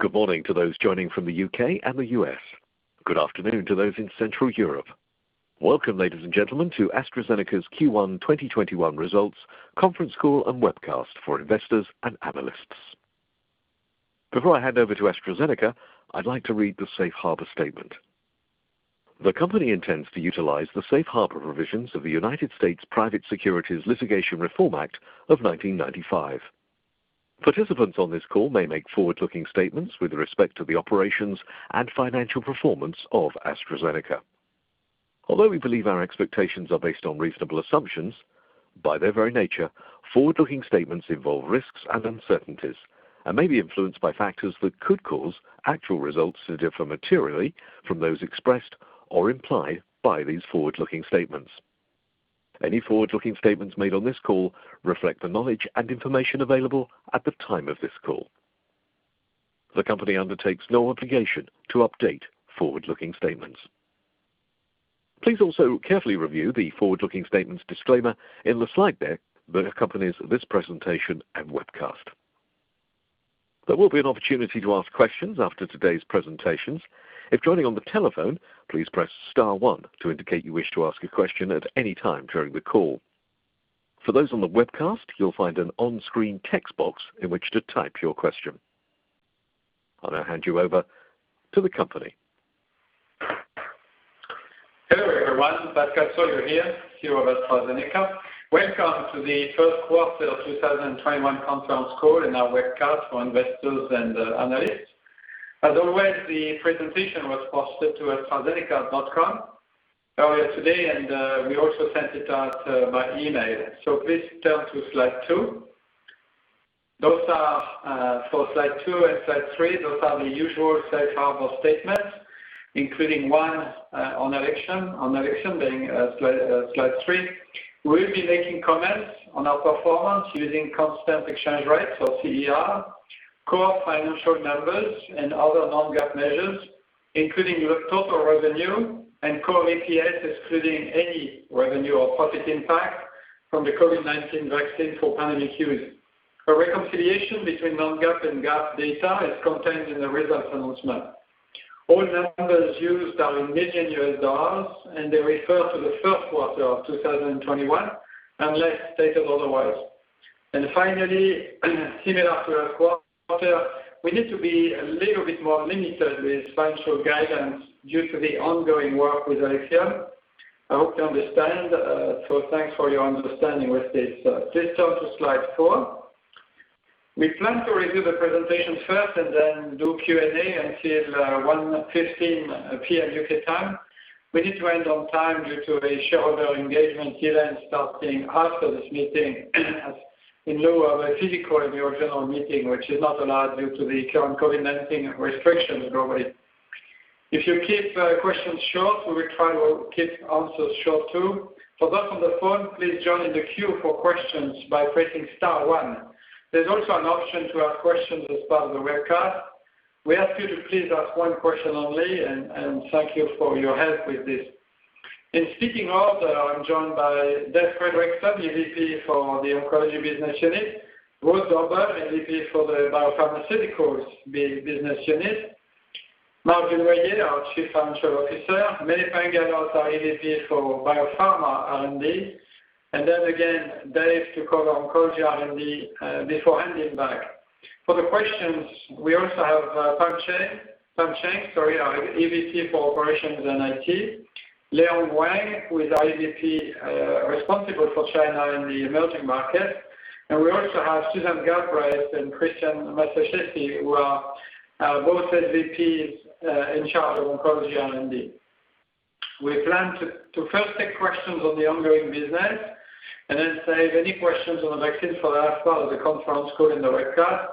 Good morning to those joining from the U.K. and the U.S. Good afternoon to those in Central Europe. Welcome, ladies and gentlemen, to AstraZeneca's Q1 2021 results, conference call, and webcast for investors and analysts. Before I hand over to AstraZeneca, I'd like to read the safe harbor statement. The company intends to utilize the safe harbor provisions of the United States Private Securities Litigation Reform Act of 1995. Participants on this call may make forward-looking statements with respect to the operations and financial performance of AstraZeneca. Although we believe our expectations are based on reasonable assumptions, by their very nature, forward-looking statements involve risks and uncertainties and may be influenced by factors that could cause actual results to differ materially from those expressed or implied by these forward-looking statements. Any forward-looking statements made on this call reflect the knowledge and information available at the time of this call. The company undertakes no obligation to update forward-looking statements. Please also carefully review the forward-looking statements disclaimer in the slide deck that accompanies this presentation and webcast. There will be an opportunity to ask questions after today's presentations. If joining on the telephone, please press star one to indicate you wish to ask a question at any time during the call. For those on the webcast, you'll find an on-screen text box in which to type your question. I'll now hand you over to the company. Hello, everyone. Pascal Soriot here, CEO of AstraZeneca. Welcome to the first quarter of 2021 conference call and our webcast for investors and analysts. As always, the presentation was posted to astrazeneca.com earlier today, and we also sent it out by email. Please turn to Slide two. For slide two and slide three, those are the usual safe harbor statements, including one on Alexion, being slide three. We'll be making comments on our performance using constant exchange rates, or CER, core financial numbers, and other non-GAAP measures, including total revenue and core EPS, excluding any revenue or profit impact from the COVID-19 vaccine for pandemic use. A reconciliation between non-GAAP and GAAP data is contained in the results announcement. All numbers used are in U.S. Dollar, and they refer to the first quarter of 2021 unless stated otherwise. Finally, similar to last quarter, we need to be a little bit more limited with financial guidance due to the ongoing work with Alexion. I hope you understand, so thanks for your understanding with this. Please turn to Slide four. We plan to review the presentation first and then do Q&A until 1:15 P.M. U.K. time. We need to end on time due to a shareholder engagement event starting after this meeting, as in lieu of a physical annual general meeting, which is not allowed due to the current COVID-19 restrictions globally. If you keep questions short, we will try to keep answers short, too. For those on the phone, please join the queue for questions by pressing star one. There's also an option to ask questions as part of the webcast. We ask you to please ask one question only, and thank you for your help with this. In speaking order, I'm joined by Dave Fredrickson, EVP for the Oncology Business Unit, Ruud Dobber, EVP for the BioPharmaceuticals Business Unit, Marc Dunoyer, our Chief Financial Officer, Mene Pangalos, our EVP for Bio Pharma R&D, and then again, Dave to cover Oncology R&D before handing back. For the questions, we also have Pam Cheng, sorry, our EVP for Operations and IT, Leon Wang, who is our EVP responsible for China and the emerging markets, and we also have Susan Galbraith and Cristian Massacesi, who are both EVPs in charge of Oncology R&D. We plan to first take questions on the ongoing business, and then save any questions on the vaccine for after the conference call and the webcast.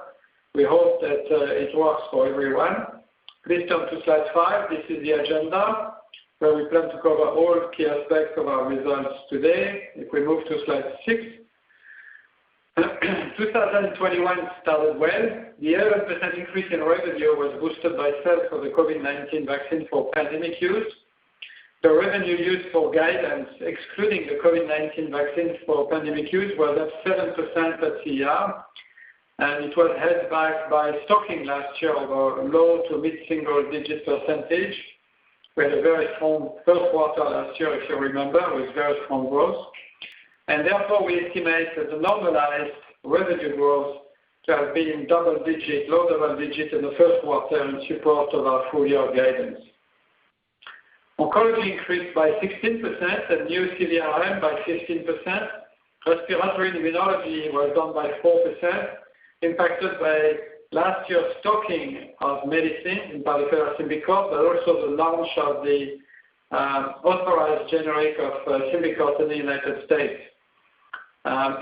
We hope that it works for everyone. Please turn to slide five. This is the agenda, where we plan to cover all key aspects of our results today. If we move to slide six. 2021 started well. The 11% increase in revenue was boosted by sales of the COVID-19 vaccine for pandemic use. The revenue used for guidance, excluding the COVID-19 vaccine for pandemic use, was up 7% at CER, it was held back by stocking last year of a low to mid-single digit percentage. We had a very strong first quarter last year, if you remember, with very strong growth. Therefore, we estimate that the normalized revenue growth to have been double digit, low double digit in the first quarter in support of our full-year guidance. Oncology increased by 16% and new CVRM by 15%. Respiratory and immunology was down by 4%, impacted by last year's stocking of medicines, in particular SYMBICORT, also the launch of the authorized generic of SYMBICORT in the United States.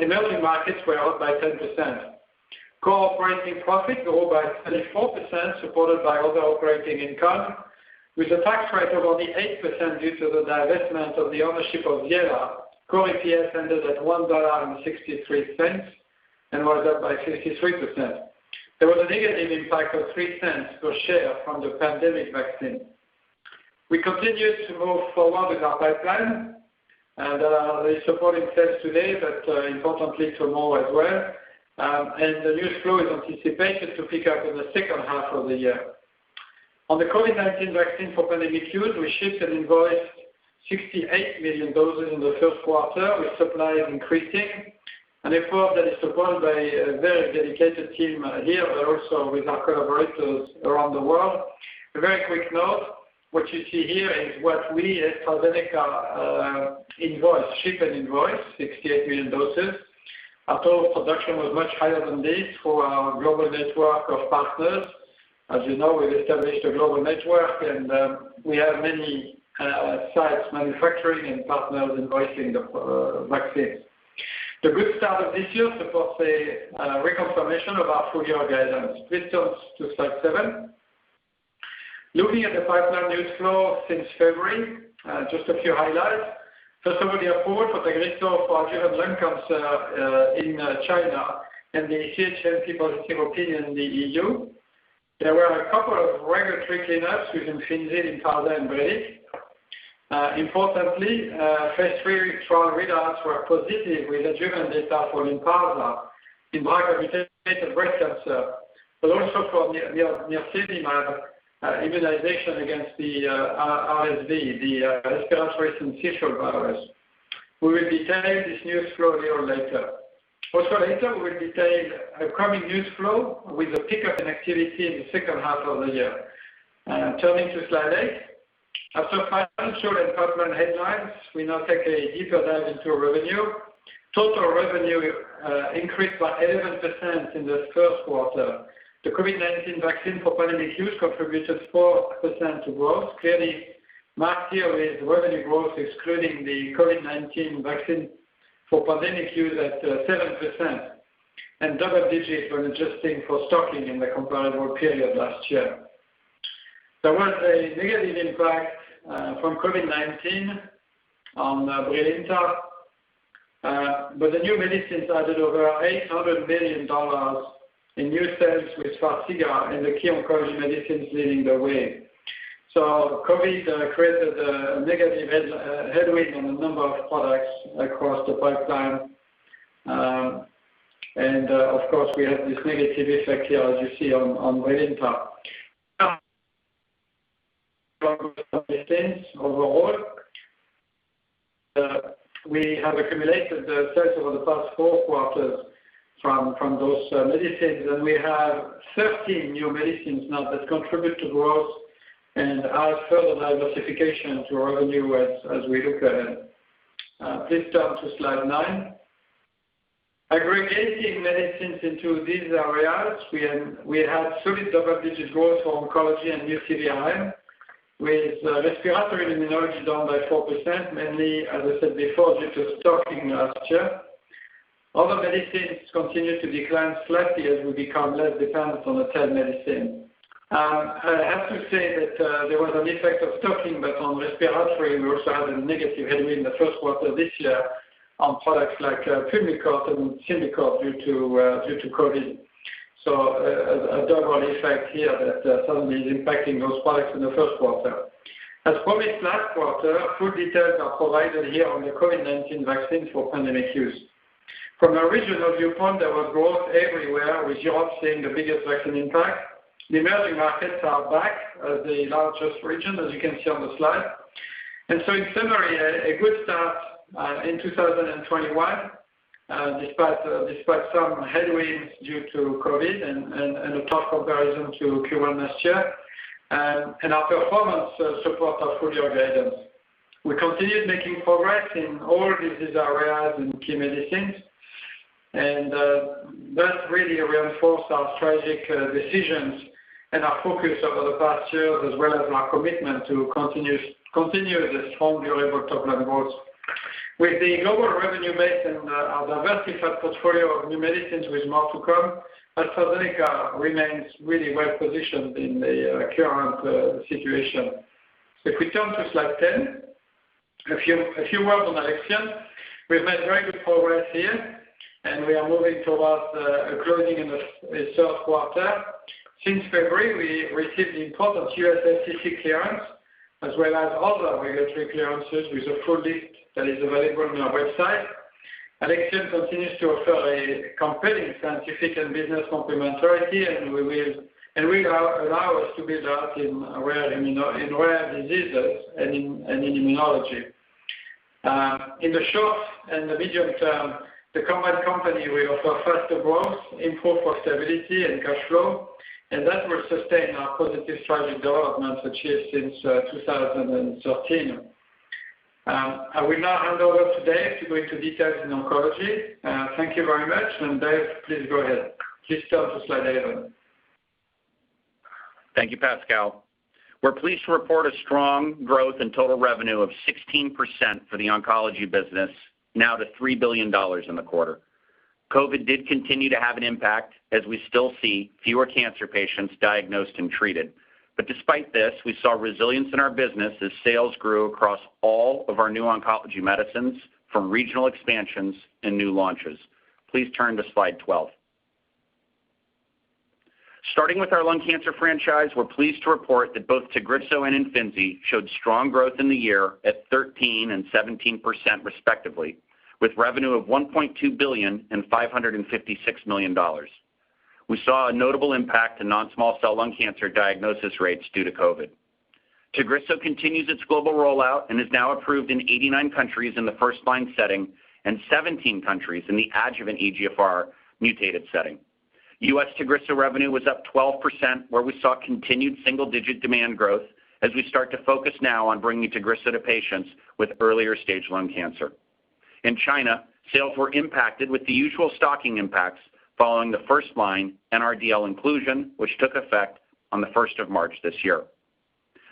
Emerging markets were up by 10%. Core operating profit grew by 34%, supported by other operating income. With a tax rate of only 8% due to the divestment of the ownership of Viela, core EPS ended at $1.63 and was up by 53%. There was a negative impact of $0.03 per share from the pandemic vaccine. We continue to move forward with our pipeline, and the support it says today, but importantly tomorrow as well. The news flow is anticipated to pick up in the second half of the year. On the COVID-19 vaccine for pandemic use, we shipped and invoiced 68 million doses in the first quarter. With supply increasing, an effort that is supported by a very dedicated team here, but also with our collaborators around the world. A very quick note. What you see here is what we at AstraZeneca invoice, ship and invoice 68 million doses. Our total production was much higher than this through our global network of partners. As you know, we've established a global network, and we have many sites manufacturing and partners invoicing the vaccines. The good start of this year supports a reconfirmation of our full-year guidance. Please turn to slide seven. Looking at the pipeline news flow since February, just a few highlights. First of all, the approval for TAGRISSO for driven lung cancer in China and the CHMP positive opinion in the EU. There were a couple of regulatory cleanups with IMFINZI, Lynparza, and Brilinta. Importantly, phase III trial readouts were positive with the driven data for Lynparza in BRCA-mutated breast cancer, but also for nirsevimab immunization against the RSV, the respiratory syncytial virus. We will detail this news flow a year later. Later, we'll detail upcoming news flow with a pickup in activity in the second half of the year. Turning to slide eight. After financial and pipeline headlines, we now take a deeper dive into our revenue. Total revenue increased by 11% in this first quarter. The COVID-19 vaccine for pandemic use contributed 4% to growth. Clearly marked here is revenue growth, excluding the COVID-19 vaccine for pandemic use at 7%, and double digits when adjusting for stocking in the comparable period last year. There was a negative impact from COVID-19 on Brilinta, the new medicines added over $800 million in new sales, with Farxiga and the key oncology medicines leading the way. COVID created a negative headwind on a number of products across the pipeline. Of course, we have this negative effect here, as you see on Brilinta. Overall, we have accumulated the sales over the past four quarters from those medicines. We have 13 new medicines now that contribute to growth and add further diversification to our revenue as we look ahead. Please turn to slide nine. Aggregating medicines into these areas, we had solid double-digit growth for oncology and new CVRM, with respiratory and immunology down by 4%, mainly, as I said before, due to stocking last year. Other medicines continued to decline slightly as we become less dependent on the TED medicine. I have to say that there was an effect of stocking. On respiratory, we also had a negative headwind in the first quarter this year on products like Pulmicort and SYMBICORT due to COVID. A double effect here that suddenly is impacting those products in the first quarter. As promised last quarter, full details are provided here on the COVID-19 vaccine for pandemic use. From a regional viewpoint, there was growth everywhere, with Europe seeing the biggest vaccine impact. The emerging markets are back as the largest region, as you can see on the slide. In summary, a good start in 2021, despite some headwinds due to COVID and a tough comparison to Q1 last year. Our performance supports our full-year guidance. We continued making progress in all disease areas and key medicines, that really reinforced our strategic decisions and our focus over the past years, as well as our commitment to continue this strong durable top-line growth. With the global revenue base and our diversified portfolio of new medicines with more to come, AstraZeneca remains really well positioned in the current situation. If we turn to slide 10, a few words on Alexion. We've made very good progress here, and we are moving towards a closing in the third quarter. Since February, we received the important U.S. FTC clearance, as well as other regulatory clearances with a full list that is available on our website. Alexion continues to offer a compelling scientific and business complementarity, and will allow us to build out in rare diseases and in immunology. In the short and the medium term, the combined company will offer faster growth, improved profitability, and cash flow, and that will sustain our positive strategic development achieved since 2013. I will now hand over to Dave to go into details in oncology. Thank you very much. Dave, please go ahead. Please turn to slide 11. Thank you, Pascal. We're pleased to report a strong growth in total revenue of 16% for the oncology business, now to $3 billion in the quarter. COVID did continue to have an impact as we still see fewer cancer patients diagnosed and treated. Despite this, we saw resilience in our business as sales grew across all of our new oncology medicines from regional expansions and new launches. Please turn to slide 12. Starting with our lung cancer franchise, we're pleased to report that both TAGRISSO and IMFINZI showed strong growth in the year at 13% and 17% respectively, with revenue of $1.2 billion and $556 million. We saw a notable impact in non-small cell lung cancer diagnosis rates due to COVID. TAGRISSO continues its global rollout and is now approved in 89 countries in the first-line setting and 17 countries in the adjuvant EGFR-mutated setting. U.S. TAGRISSO revenue was up 12%, where we saw continued single-digit demand growth as we start to focus now on bringing TAGRISSO to patients with earlier stage lung cancer. In China, sales were impacted with the usual stocking impacts following the first-line NRDL inclusion, which took effect on the 1st of March this year.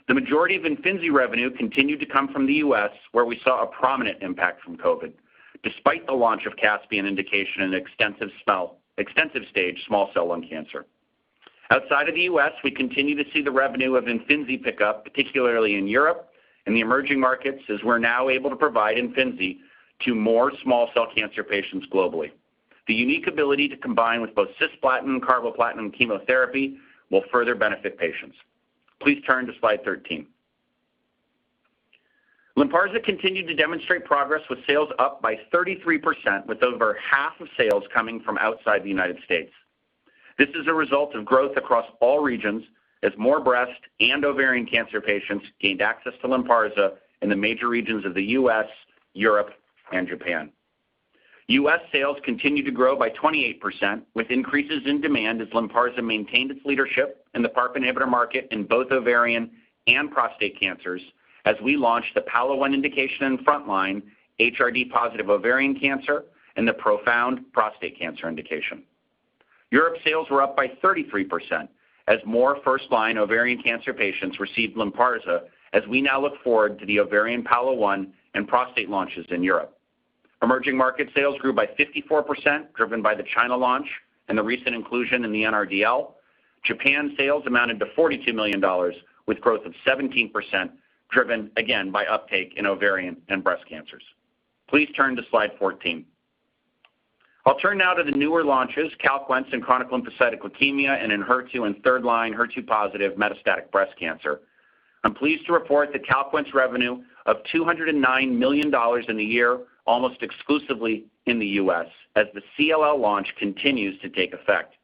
The majority of IMFINZI revenue continued to come from the U.S., where we saw a prominent impact from COVID-19, despite the launch of CASPIAN indication in extensive stage small cell lung cancer. Outside of the U.S., we continue to see the revenue of IMFINZI pick up, particularly in Europe and the emerging markets, as we're now able to provide IMFINZI to more small cell cancer patients globally. The unique ability to combine with both cisplatin and carboplatin chemotherapy will further benefit patients. Please turn to slide 13. Lynparza continued to demonstrate progress with sales up by 33%, with over half of sales coming from outside the United States. This is a result of growth across all regions as more breast and ovarian cancer patients gained access to Lynparza in the major regions of the U.S., Europe, and Japan. U.S. sales continued to grow by 28%, with increases in demand as Lynparza maintained its leadership in the PARP inhibitor market in both ovarian and prostate cancers, as we launched the PAOLA-1 indication in frontline HRD-positive ovarian cancer and the PROfound prostate cancer indication. Europe sales were up by 33% as more first-line ovarian cancer patients received Lynparza, as we now look forward to the ovarian PAOLA-1 and prostate launches in Europe. Emerging market sales grew by 54%, driven by the China launch and the recent inclusion in the NRDL. Japan sales amounted to $42 million, with growth of 17%, driven again by uptake in ovarian and breast cancers. Please turn to slide 14. I'll turn now to the newer launches, Calquence in chronic lymphocytic leukemia, and Enhertu in third-line HER2-positive metastatic breast cancer. I'm pleased to report that Calquence revenue of $209 million in the year, almost exclusively in the U.S., as the CLL launch continues to take effect.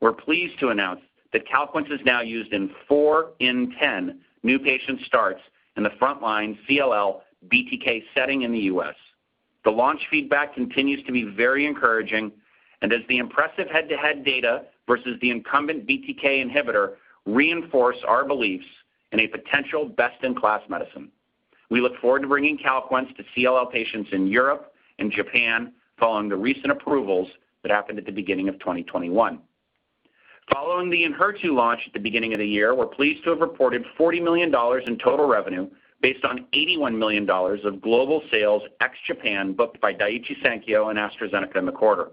We're pleased to announce that Calquence is now used in four in 10 new patient starts in the frontline CLL BTK setting in the U.S. As the impressive head-to-head data versus the incumbent BTK inhibitor reinforce our beliefs in a potential best-in-class medicine. We look forward to bringing Calquence to CLL patients in Europe and Japan following the recent approvals that happened at the beginning of 2021. Following the Enhertu launch at the beginning of the year, we're pleased to have reported $40 million in total revenue based on $81 million of global sales ex-Japan booked by Daiichi Sankyo and AstraZeneca in the quarter.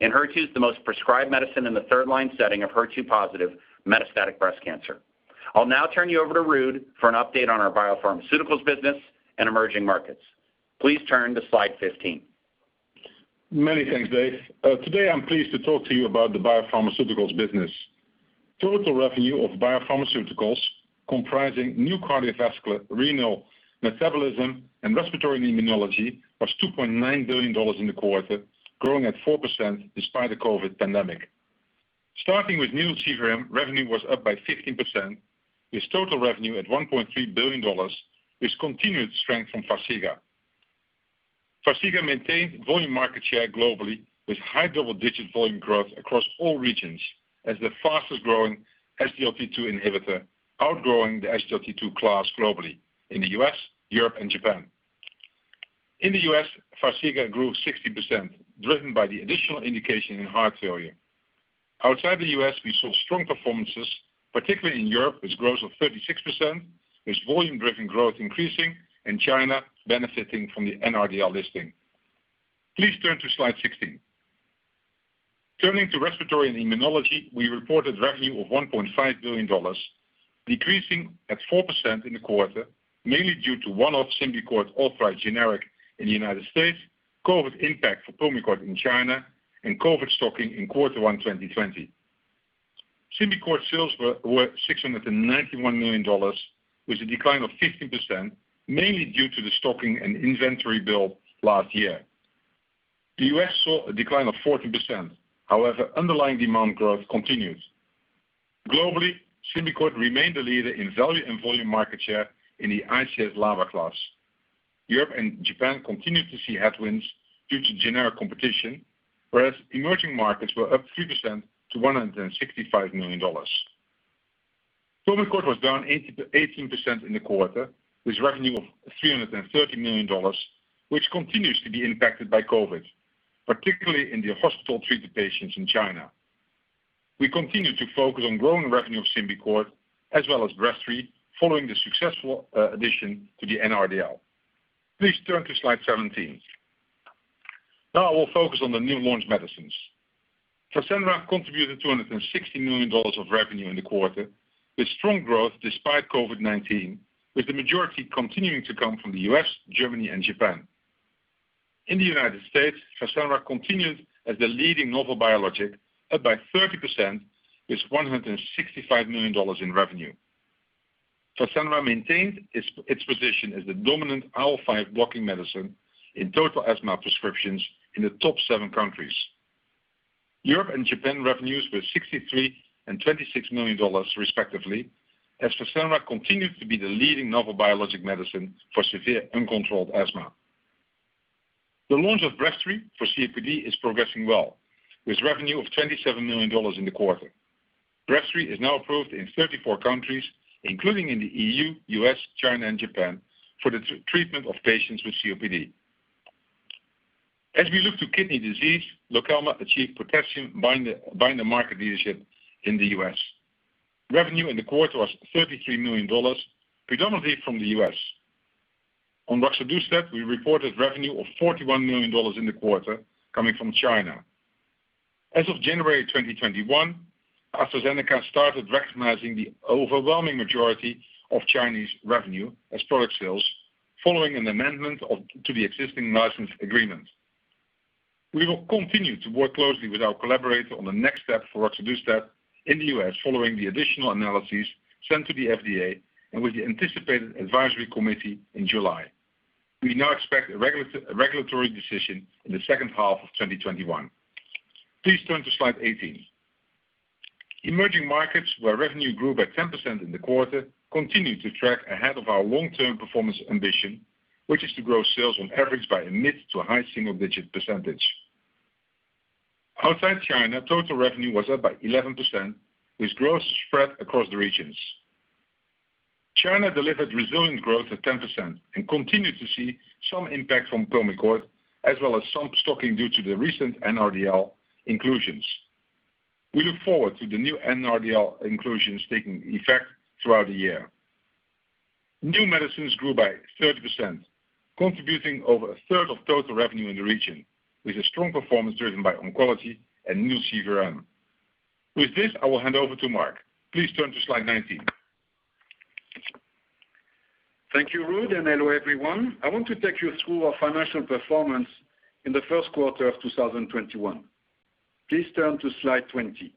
Enhertu is the most prescribed medicine in the third-line setting of HER2-positive metastatic breast cancer. I'll now turn you over to Ruud for an update on our biopharmaceuticals business and emerging markets. Please turn to slide 15. Many thanks, Dave. Today, I'm pleased to talk to you about the biopharmaceuticals business. Total revenue of biopharmaceuticals, comprising new cardiovascular, renal, metabolism, and respiratory and immunology, was $2.9 billion in the quarter, growing at 4% despite the COVID pandemic. Starting with new CVRM, revenue was up by 15%, with total revenue at $1.3 billion, with continued strength from Farxiga. Farxiga maintained volume market share globally with high double-digit volume growth across all regions as the fastest-growing SGLT2 inhibitor, outgrowing the SGLT2 class globally in the U.S., Europe, and Japan. In the U.S., Farxiga grew 60%, driven by the additional indication in heart failure. Outside the U.S., we saw strong performances, particularly in Europe, with growth of 36%, with volume-driven growth increasing, and China benefiting from the NRDL listing. Please turn to slide 16. Turning to respiratory and immunology, we reported revenue of $1.5 billion, decreasing at 4% in the quarter, mainly due to one-off Symbicort authorized generic in the U.S., COVID impact for Pulmicort in China, and COVID stocking in quarter one 2020. Symbicort sales were $691 million, with a decline of 15%, mainly due to the stocking and inventory build last year. The U.S. saw a decline of 14%. Underlying demand growth continues. Globally, Symbicort remained the leader in value and volume market share in the ICS/LABA class. Europe and Japan continued to see headwinds due to generic competition, whereas emerging markets were up 3% to $165 million. Pulmicort was down 18% in the quarter, with revenue of $330 million, which continues to be impacted by COVID, particularly in the hospital-treated patients in China. We continue to focus on growing revenue of SYMBICORT as well as Breztri, following the successful addition to the NRDL. Please turn to slide 17. I will focus on the new launch medicines. Fasenra contributed $260 million of revenue in the quarter, with strong growth despite COVID-19, with the majority continuing to come from the U.S., Germany, and Japan. In the United States, Fasenra continued as the leading novel biologic, up by 30% with $165 million in revenue. Fasenra maintained its position as the dominant IL-5 blocking medicine in total asthma prescriptions in the top seven countries. Europe and Japan revenues were $63 and $26 million respectively, as Fasenra continued to be the leading novel biologic medicine for severe uncontrolled asthma. The launch of Breztri for COPD is progressing well, with revenue of $27 million in the quarter. Breztri is now approved in 34 countries, including in the EU, U.S., China, and Japan, for the treatment of patients with COPD. As we look to kidney disease, Lokelma achieved potassium binder market leadership in the U.S. Revenue in the quarter was $33 million, predominantly from the U.S. On roxadustat, we reported revenue of $41 million in the quarter, coming from China. As of January 2021, AstraZeneca started recognizing the overwhelming majority of Chinese revenue as product sales following an amendment to the existing license agreement. We will continue to work closely with our collaborator on the next step for roxadustat in the U.S. following the additional analyses sent to the FDA and with the anticipated advisory committee in July. We now expect a regulatory decision in the second half of 2021. Please turn to slide 18. Emerging markets, where revenue grew by 10% in the quarter, continue to track ahead of our long-term performance ambition, which is to grow sales on average by a mid to high single-digit percentage. Outside China, total revenue was up by 11%, with growth spread across the regions. China delivered resilient growth of 10% and continued to see some impact from [Comirnaty], as well as some stocking due to the recent NRDL inclusions. We look forward to the new NRDL inclusions taking effect throughout the year. New medicines grew by 30%, contributing over a third of total revenue in the region, with a strong performance driven by oncology and new CVRM. With this, I will hand over to Marc. Please turn to slide 19. Thank you, Ruud, and hello, everyone. I want to take you through our financial performance in the first quarter of 2021. Please turn to slide 20.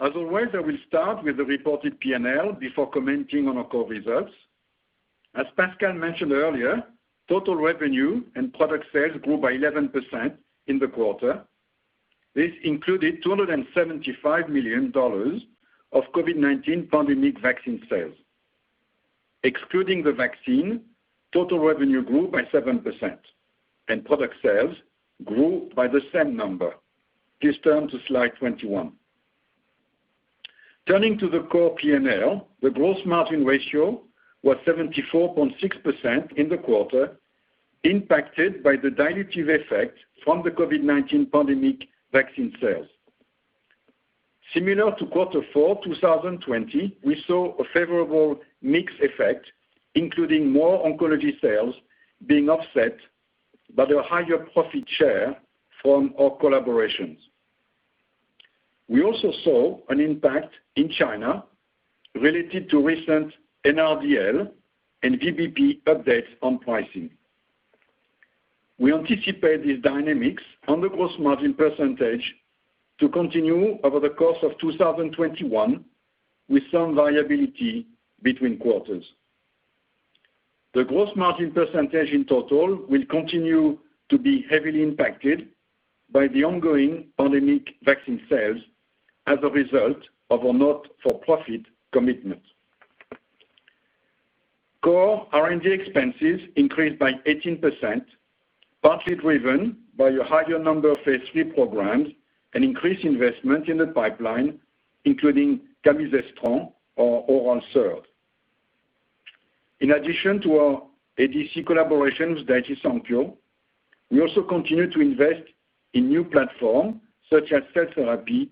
As always, I will start with the reported P&L before commenting on our core results. As Pascal mentioned earlier, total revenue and product sales grew by 11% in the quarter. This included $275 million of COVID-19 pandemic vaccine sales. Excluding the vaccine, total revenue grew by 7%, and product sales grew by the same number. Please turn to slide 21. Turning to the core P&L, the gross margin ratio was 74.6% in the quarter, impacted by the dilutive effect from the COVID-19 pandemic vaccine sales. Similar to Q4 2020, we saw a favorable mix effect, including more oncology sales being offset by the higher profit share from our collaborations. We also saw an impact in China related to recent NRDL and VBP updates on pricing. We anticipate these dynamics on the gross margin percentage to continue over the course of 2021, with some variability between quarters. The gross margin percentage in total will continue to be heavily impacted by the ongoing pandemic vaccine sales as a result of our not-for-profit commitment. Core R&D expenses increased by 18%, partly driven by a higher number of phase III programs and increased investment in the pipeline, including camizestrant, our oral SERD. In addition to our ADC collaboration with Daiichi Sankyo, we also continue to invest in new platforms, such as cell therapy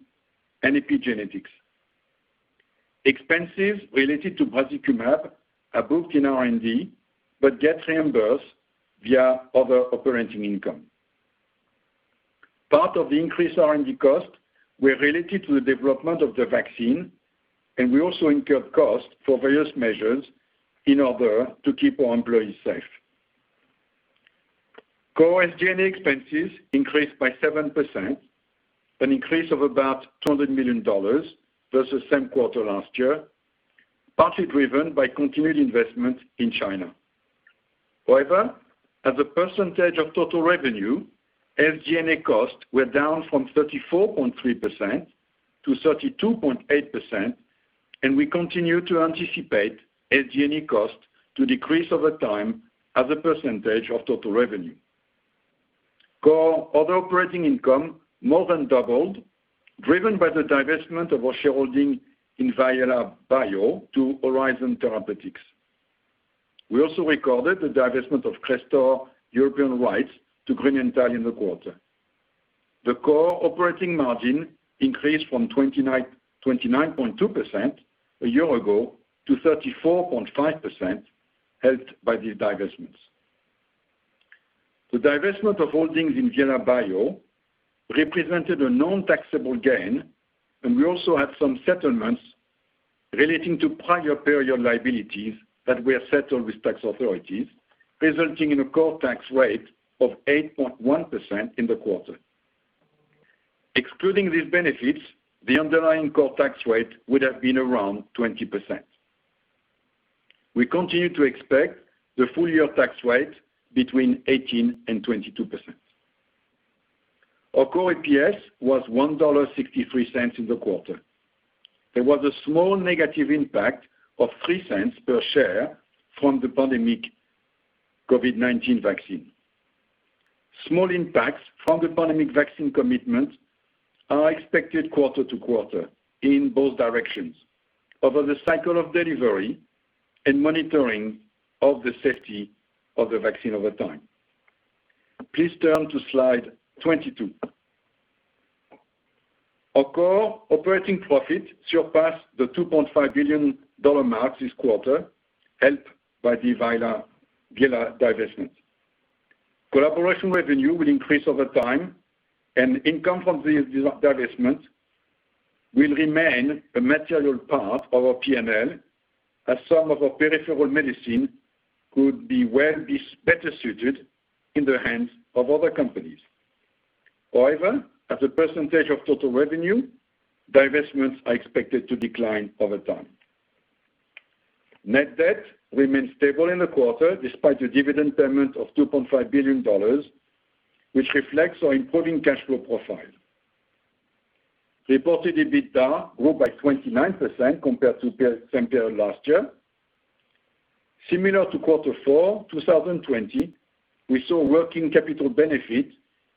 and epigenetics. Expenses related to brazikumab are booked in R&D, but get reimbursed via other operating income. Part of the increased R&D costs were related to the development of the vaccine, and we also incurred costs for various measures in order to keep our employees safe. Core SG&A expenses increased by 7%, an increase of about $200 million versus same quarter last year, partly driven by continued investment in China. As a percentage of total revenue, SG&A costs were down from 34.3% to 32.8%, and we continue to anticipate SG&A costs to decrease over time as a percentage of total revenue. Core other operating income more than doubled, driven by the divestment of our shareholding in Viela Bio to Horizon Therapeutics. We also recorded the divestment of Crestor European rights to Grünenthal in the quarter. The core operating margin increased from 29.2% a year ago to 34.5%, helped by these divestments. The divestment of holdings in Viela Bio represented a non-taxable gain, and we also had some settlements relating to prior period liabilities that were settled with tax authorities, resulting in a core tax rate of 8.1% in the quarter. Excluding these benefits, the underlying core tax rate would have been around 20%. We continue to expect the full year tax rate between 18% and 22%. Our core EPS was $1.63 in the quarter. There was a small negative impact of $0.03 per share from the pandemic COVID-19 vaccine. Small impacts from the pandemic vaccine commitment are expected quarter to quarter in both directions over the cycle of delivery and monitoring of the safety of the vaccine over time. Please turn to Slide 22. Our core operating profit surpassed the $2.5 billion mark this quarter, helped by the Viela divestment. Collaboration revenue will increase over time, and income from these divestments will remain a material part of our P&L, as some of our peripheral medicine could well be better suited in the hands of other companies. However, as a percentage of total revenue, divestments are expected to decline over time. Net debt remained stable in the quarter despite the dividend payment of $2.5 billion, which reflects our improving cash flow profile. Reported EBITDA grew by 29% compared to same period last year. Similar to Quarter Four 2020, we saw working capital benefit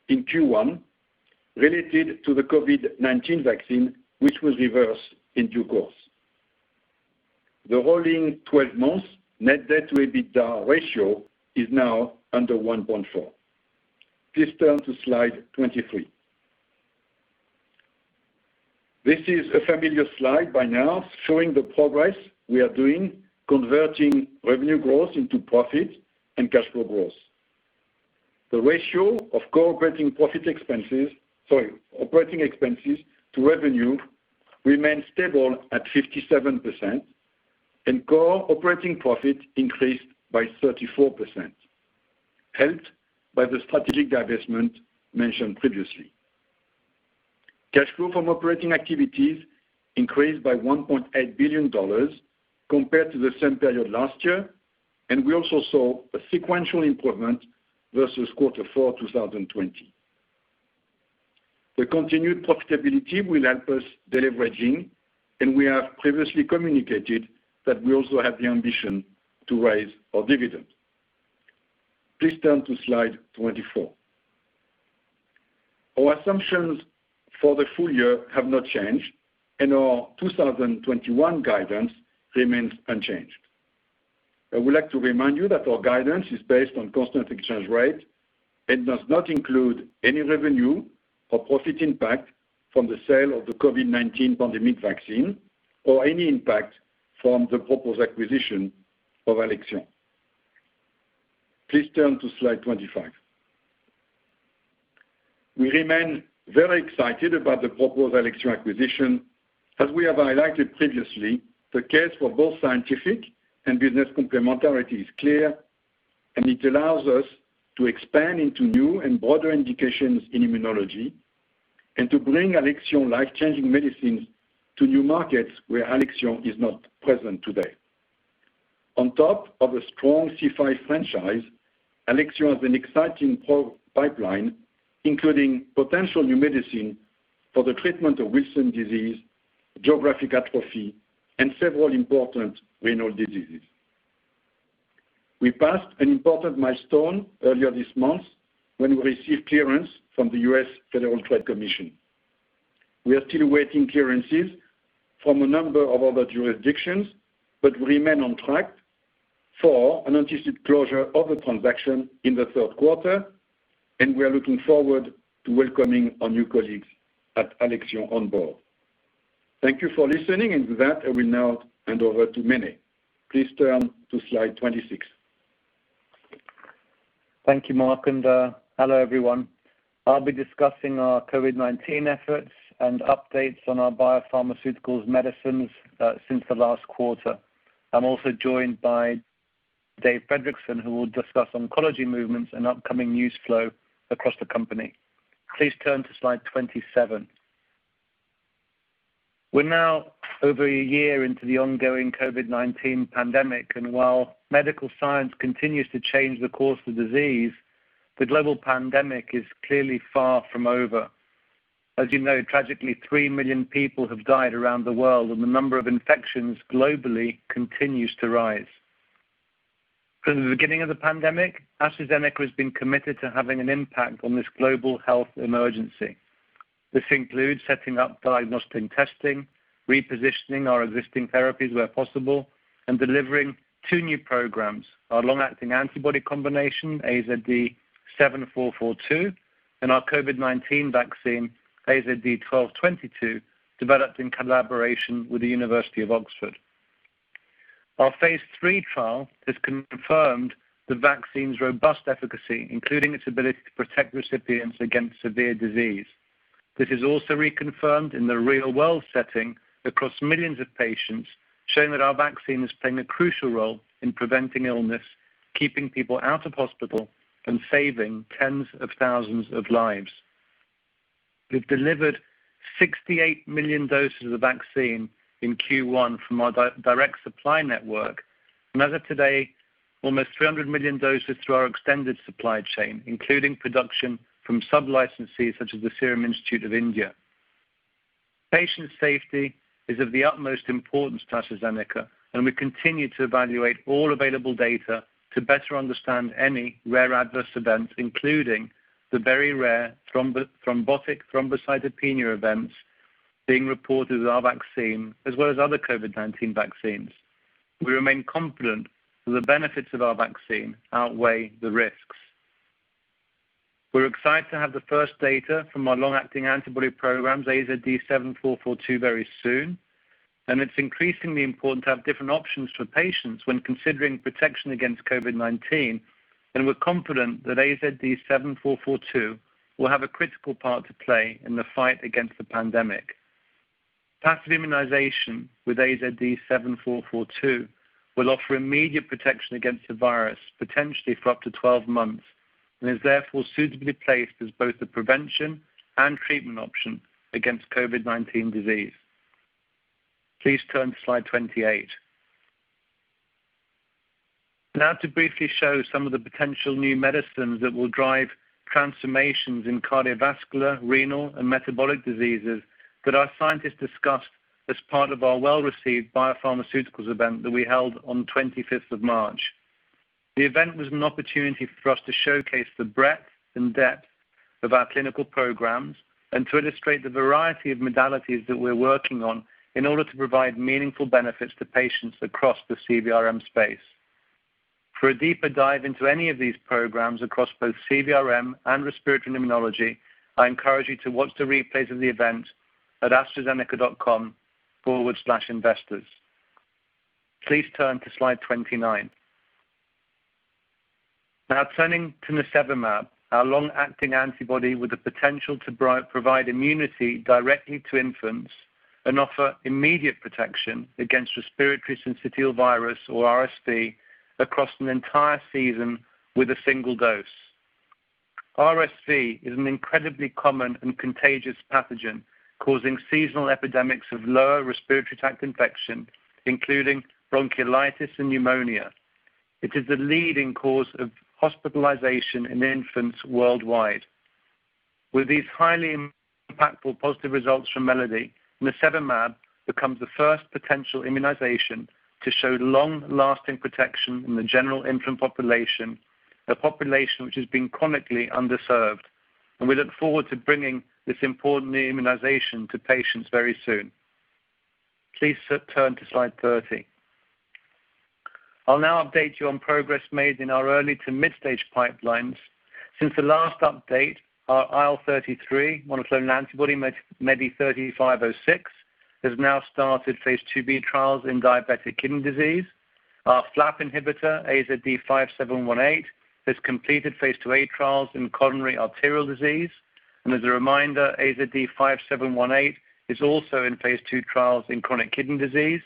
in Q1 related to the COVID-19 vaccine, which was reversed in due course. The rolling 12 months net debt to EBITDA ratio is now under 1.4. Please turn to Slide 23. This is a familiar slide by now, showing the progress we are doing converting revenue growth into profit and cash flow growth. The ratio of core operating expenses to revenue remained stable at 57%, and core operating profit increased by 34%, helped by the strategic divestment mentioned previously. Cash flow from operating activities increased by $1.8 billion compared to the same period last year. We also saw a sequential improvement versus Quarter four 2020. The continued profitability will help us deleveraging. We have previously communicated that we also have the ambition to raise our dividend. Please turn to Slide 24. Our assumptions for the full year have not changed. Our 2021 guidance remains unchanged. I would like to remind you that our guidance is based on constant exchange rate and does not include any revenue or profit impact from the sale of the COVID-19 pandemic vaccine or any impact from the proposed acquisition of Alexion. Please turn to Slide 25. We remain very excited about the proposed Alexion acquisition. As we have highlighted previously, the case for both scientific and business complementarity is clear, and it allows us to expand into new and broader indications in immunology and to bring Alexion life-changing medicines to new markets where Alexion is not present today. On top of a strong C5 franchise, Alexion has an exciting product pipeline, including potential new medicine for the treatment of Wilson disease, geographic atrophy, and several important renal diseases. We passed an important milestone earlier this month when we received clearance from the U.S. Federal Trade Commission. We are still awaiting clearances from a number of other jurisdictions but remain on track for an anticipated closure of the transaction in the third quarter, and we are looking forward to welcoming our new colleagues at Alexion on board. Thank you for listening. With that, I will now hand over to Mene. Please turn to Slide 26. Thank you, Marc, and hello, everyone. I'll be discussing our COVID-19 efforts and updates on our biopharmaceuticals medicines since the last quarter. I'm also joined by Dave Fredrickson, who will discuss oncology movements and upcoming news flow across the company. Please turn to Slide 27. We're now over a year into the ongoing COVID-19 pandemic, and while medical science continues to change the course of disease, the global pandemic is clearly far from over. As you know, tragically, three million people have died around the world, and the number of infections globally continues to rise. From the beginning of the pandemic, AstraZeneca has been committed to having an impact on this global health emergency. This includes setting up diagnostic testing, repositioning our existing therapies where possible, and delivering two new programs, our long-acting antibody combination, AZD7442, and our COVID-19 vaccine, AZD1222, developed in collaboration with the University of Oxford. Our phase III trial has confirmed the vaccine's robust efficacy, including its ability to protect recipients against severe disease. This is also reconfirmed in the real-world setting across millions of patients, showing that our vaccine is playing a crucial role in preventing illness, keeping people out of hospital, and saving tens of thousands of lives. We've delivered 68 million doses of the vaccine in Q1 from our direct supply network, and as of today, almost 300 million doses through our extended supply chain, including production from sub-licensees such as the Serum Institute of India. Patient safety is of the utmost importance to AstraZeneca. We continue to evaluate all available data to better understand any rare adverse events, including the very rare thrombotic thrombocytopenia events being reported with our vaccine, as well as other COVID-19 vaccines. We remain confident that the benefits of our vaccine outweigh the risks. We're excited to have the first data from our long-acting antibody programs, AZD7442 very soon. It's increasingly important to have different options for patients when considering protection against COVID-19. We're confident that AZD7442 will have a critical part to play in the fight against the pandemic. Passive immunization with AZD7442 will offer immediate protection against the virus, potentially for up to 12 months. It is therefore suitably placed as both a prevention and treatment option against COVID-19 disease. Please turn to slide 28. Now to briefly show some of the potential new medicines that will drive transformations in cardiovascular, renal, and metabolic diseases that our scientists discussed as part of our well-received BioPharmaceuticals event that we held on 25th of March. The event was an opportunity for us to showcase the breadth and depth of our clinical programs and to illustrate the variety of modalities that we're working on in order to provide meaningful benefits to patients across the CVRM space. For a deeper dive into any of these programs across both CVRM and respiratory immunology, I encourage you to watch the replay of the event at astrazeneca.com/investors. Please turn to slide 29. Now turning to nirsevimab, our long-acting antibody with the potential to provide immunity directly to infants and offer immediate protection against respiratory syncytial virus or RSV across an entire season with a single dose. RSV is an incredibly common and contagious pathogen causing seasonal epidemics of lower respiratory tract infection, including bronchiolitis and pneumonia. It is the leading cause of hospitalization in infants worldwide. With these highly impactful positive results from MELODY, nirsevimab becomes the first potential immunization to show long-lasting protection in the general infant population, a population which has been chronically underserved, and we look forward to bringing this important new immunization to patients very soon. Please turn to slide 30. I'll now update you on progress made in our early to mid-stage pipelines. Since the last update, our IL-33, monoclonal antibody MEDI3506, has now started phase II-B trials in diabetic kidney disease. Our FLAP inhibitor, AZD5718, has completed phase II-A trials in coronary arterial disease. As a reminder, AZD5718 is also in phase II trials in chronic kidney disease.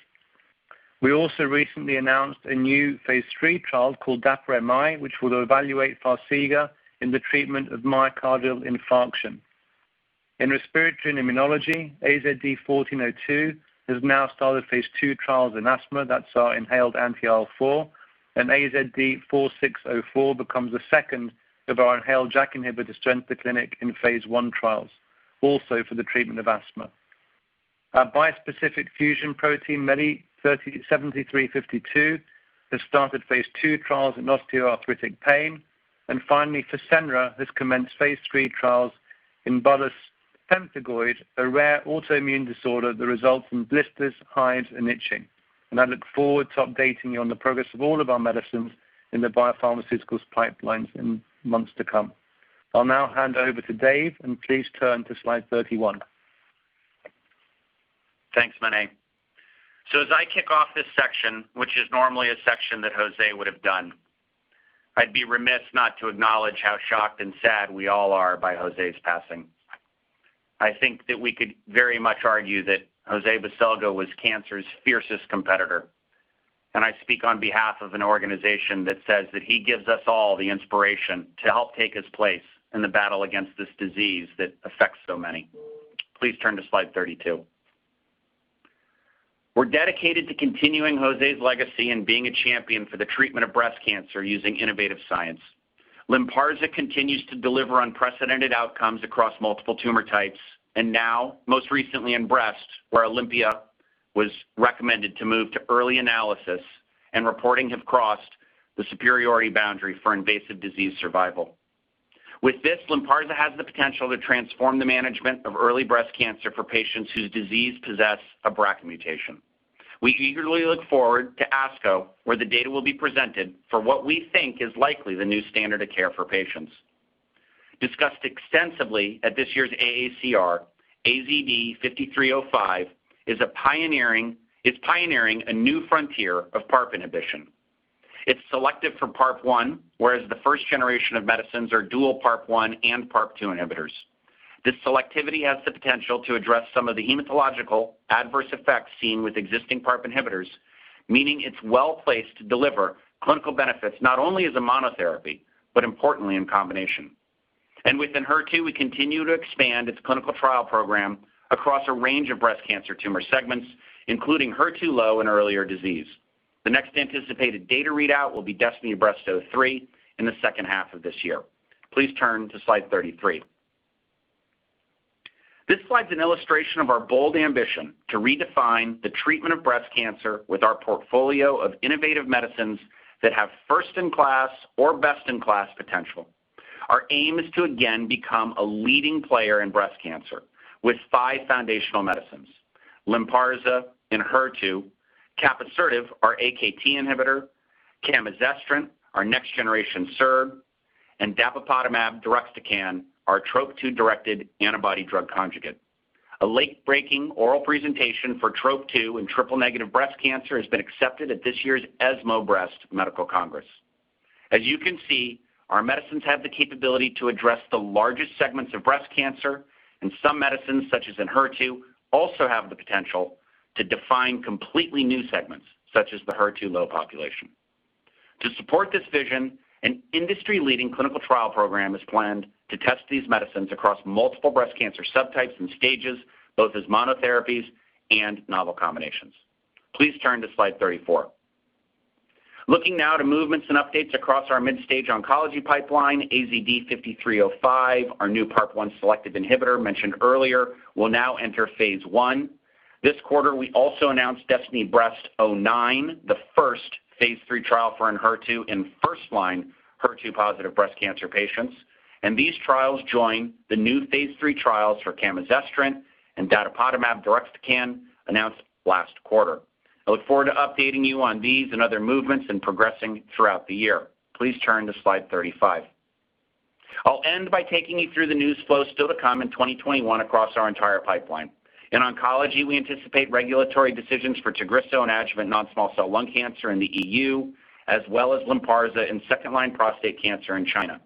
We also recently announced a new phase III trial called DAPA-MI, which will evaluate Farxiga in the treatment of myocardial infarction. In respiratory and immunology, AZD1402 has now started phase II trials in asthma. That's our inhaled anti-IL-13. AZD4604 becomes the second of our inhaled JAK inhibitors to enter the clinic in phase I trials, also for the treatment of asthma. Our bispecific fusion protein, MEDI7352, has started phase II trials in osteoarthritic pain. Finally, Fasenra has commenced phase III trials in bullous pemphigoid, a rare autoimmune disorder that results in blisters, hives, and itching. I look forward to updating you on the progress of all of our medicines in the biopharmaceuticals pipelines in months to come. I'll now hand over to Dave. Please turn to slide 31. Thanks, Mene. As I kick off this section, which is normally a section that José would have done, I'd be remiss not to acknowledge how shocked and sad we all are by José's passing. I think that we could very much argue that José Baselga was cancer's fiercest competitor, and I speak on behalf of an organization that says that he gives us all the inspiration to help take his place in the battle against this disease that affects so many. Please turn to slide 32. We're dedicated to continuing José's legacy and being a champion for the treatment of breast cancer using innovative science. Lynparza continues to deliver unprecedented outcomes across multiple tumor types and now most recently in breast, where OlympiA was recommended to move to early analysis and reporting have crossed the superiority boundary for invasive disease survival. With this, Lynparza has the potential to transform the management of early breast cancer for patients whose disease possess a BRCA mutation. We eagerly look forward to ASCO, where the data will be presented for what we think is likely the new standard of care for patients. Discussed extensively at this year's AACR, AZD5305 is pioneering a new frontier of PARP inhibition. It's selective for PARP1, whereas the first generation of medicines are dual PARP1 and PARP2 inhibitors. This selectivity has the potential to address some of the hematological adverse effects seen with existing PARP inhibitors, meaning it's well-placed to deliver clinical benefits not only as a monotherapy, but importantly in combination. With Enhertu, we continue to expand its clinical trial program across a range of breast cancer tumor segments, including HER2-low and earlier disease. The next anticipated data readout will be DESTINY-Breast03 in the second half of this year. Please turn to slide 33. This slide is an illustration of our bold ambition to redefine the treatment of breast cancer with our portfolio of innovative medicines that have first-in-class or best-in-class potential. Our aim is to again become a leading player in breast cancer with five foundational medicines. Lynparza, Enhertu, capivasertib, our AKT inhibitor, camizestrant, our next generation SERD, and datopotamab deruxtecan, our TROP2-directed antibody-drug conjugate. A late-breaking oral presentation for TROP2 and triple-negative breast cancer has been accepted at this year's ESMO Breast Cancer Congress. As you can see, our medicines have the capability to address the largest segments of breast cancer, and some medicines, such as Enhertu, also have the potential to define completely new segments, such as the HER2-low population. To support this vision, an industry-leading clinical trial program is planned to test these medicines across multiple breast cancer subtypes and stages, both as monotherapies and novel combinations. Please turn to slide 34. Looking now to movements and updates across our mid-stage oncology pipeline, AZD5305, our new PARP1 selective inhibitor mentioned earlier, will now enter phase I. This quarter, we also announced DESTINY-Breast09, the first phase III trial for Enhertu in first-line HER2-positive breast cancer patients. These trials join the new phase III trials for camizestrant and datopotamab deruxtecan announced last quarter. I look forward to updating you on these and other movements in progressing throughout the year. Please turn to slide 35. I'll end by taking you through the news flow still to come in 2021 across our entire pipeline. In oncology, we anticipate regulatory decisions for Tagrisso and adjuvant non-small cell lung cancer in the EU, as well as Lynparza in second-line prostate cancer in China.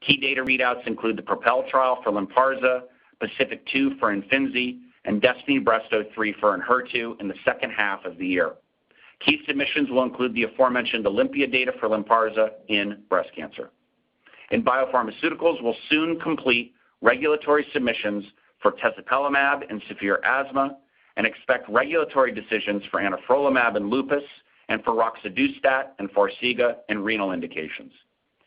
Key data readouts include the PROPEL trial for Lynparza, PACIFIC-2 for IMFINZI, and DESTINY-Breast03 for Enhertu in the second half of the year. Key submissions will include the aforementioned OlympiA data for Lynparza in breast cancer. In biopharmaceuticals, we'll soon complete regulatory submissions for tezepelumab in severe asthma and expect regulatory decisions for anifrolumab in lupus and for roxadustat and Farxiga in renal indications.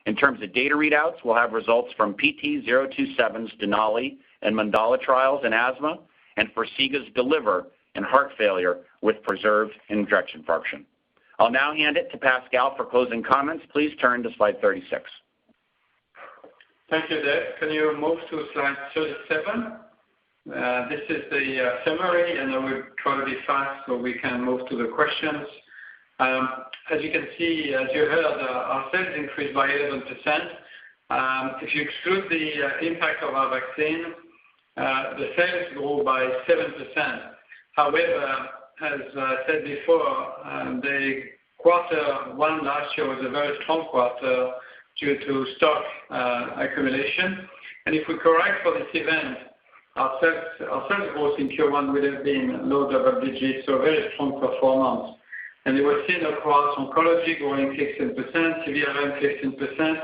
In terms of data readouts, we'll have results from PT027's DENALI and MANDALA trials in asthma and Farxiga's DELIVER in heart failure with preserved ejection fraction. I'll now hand it to Pascal for closing comments. Please turn to slide 36. Thank you, Dave. Can you move to slide 37? This is the summary. I will try to be fast we can move to the questions. As you can see, as you heard, our sales increased by 11%. If you exclude the impact of our vaccine, the sales grew by 7%. As I said before, the quarter one last year was a very strong quarter due to stock accumulation. If we correct for this event, our sales growth in Q1 would have been low double digits, very strong performance. It was seen across Oncology growing 16%, CVRM 15%.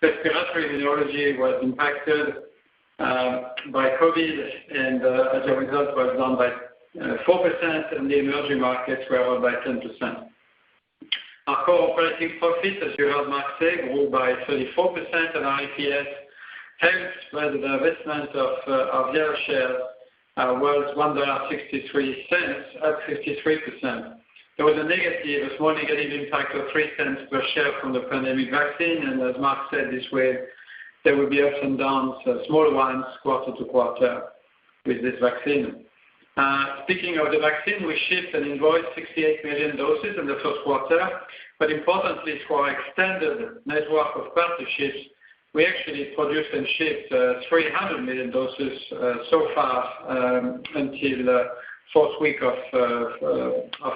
Respiratory and Immunology was impacted by COVID, as a result, was down by 4%, the emerging markets were up by 10%. Our core operating profit, as you heard Marc say, grew by 34%, and our EPS, helped by the divestment of our Viela share, was $1.63, up 53%. There was a small negative impact of $0.03 per share from the pandemic vaccine, and as Marc said, this way, there will be ups and downs, small ones, quarter-to-quarter with this vaccine. Speaking of the vaccine, we shipped and invoiced 68 million doses in the first quarter, but importantly, for our extended network of partnerships, we actually produced and shipped 300 million doses so far until the fourth week of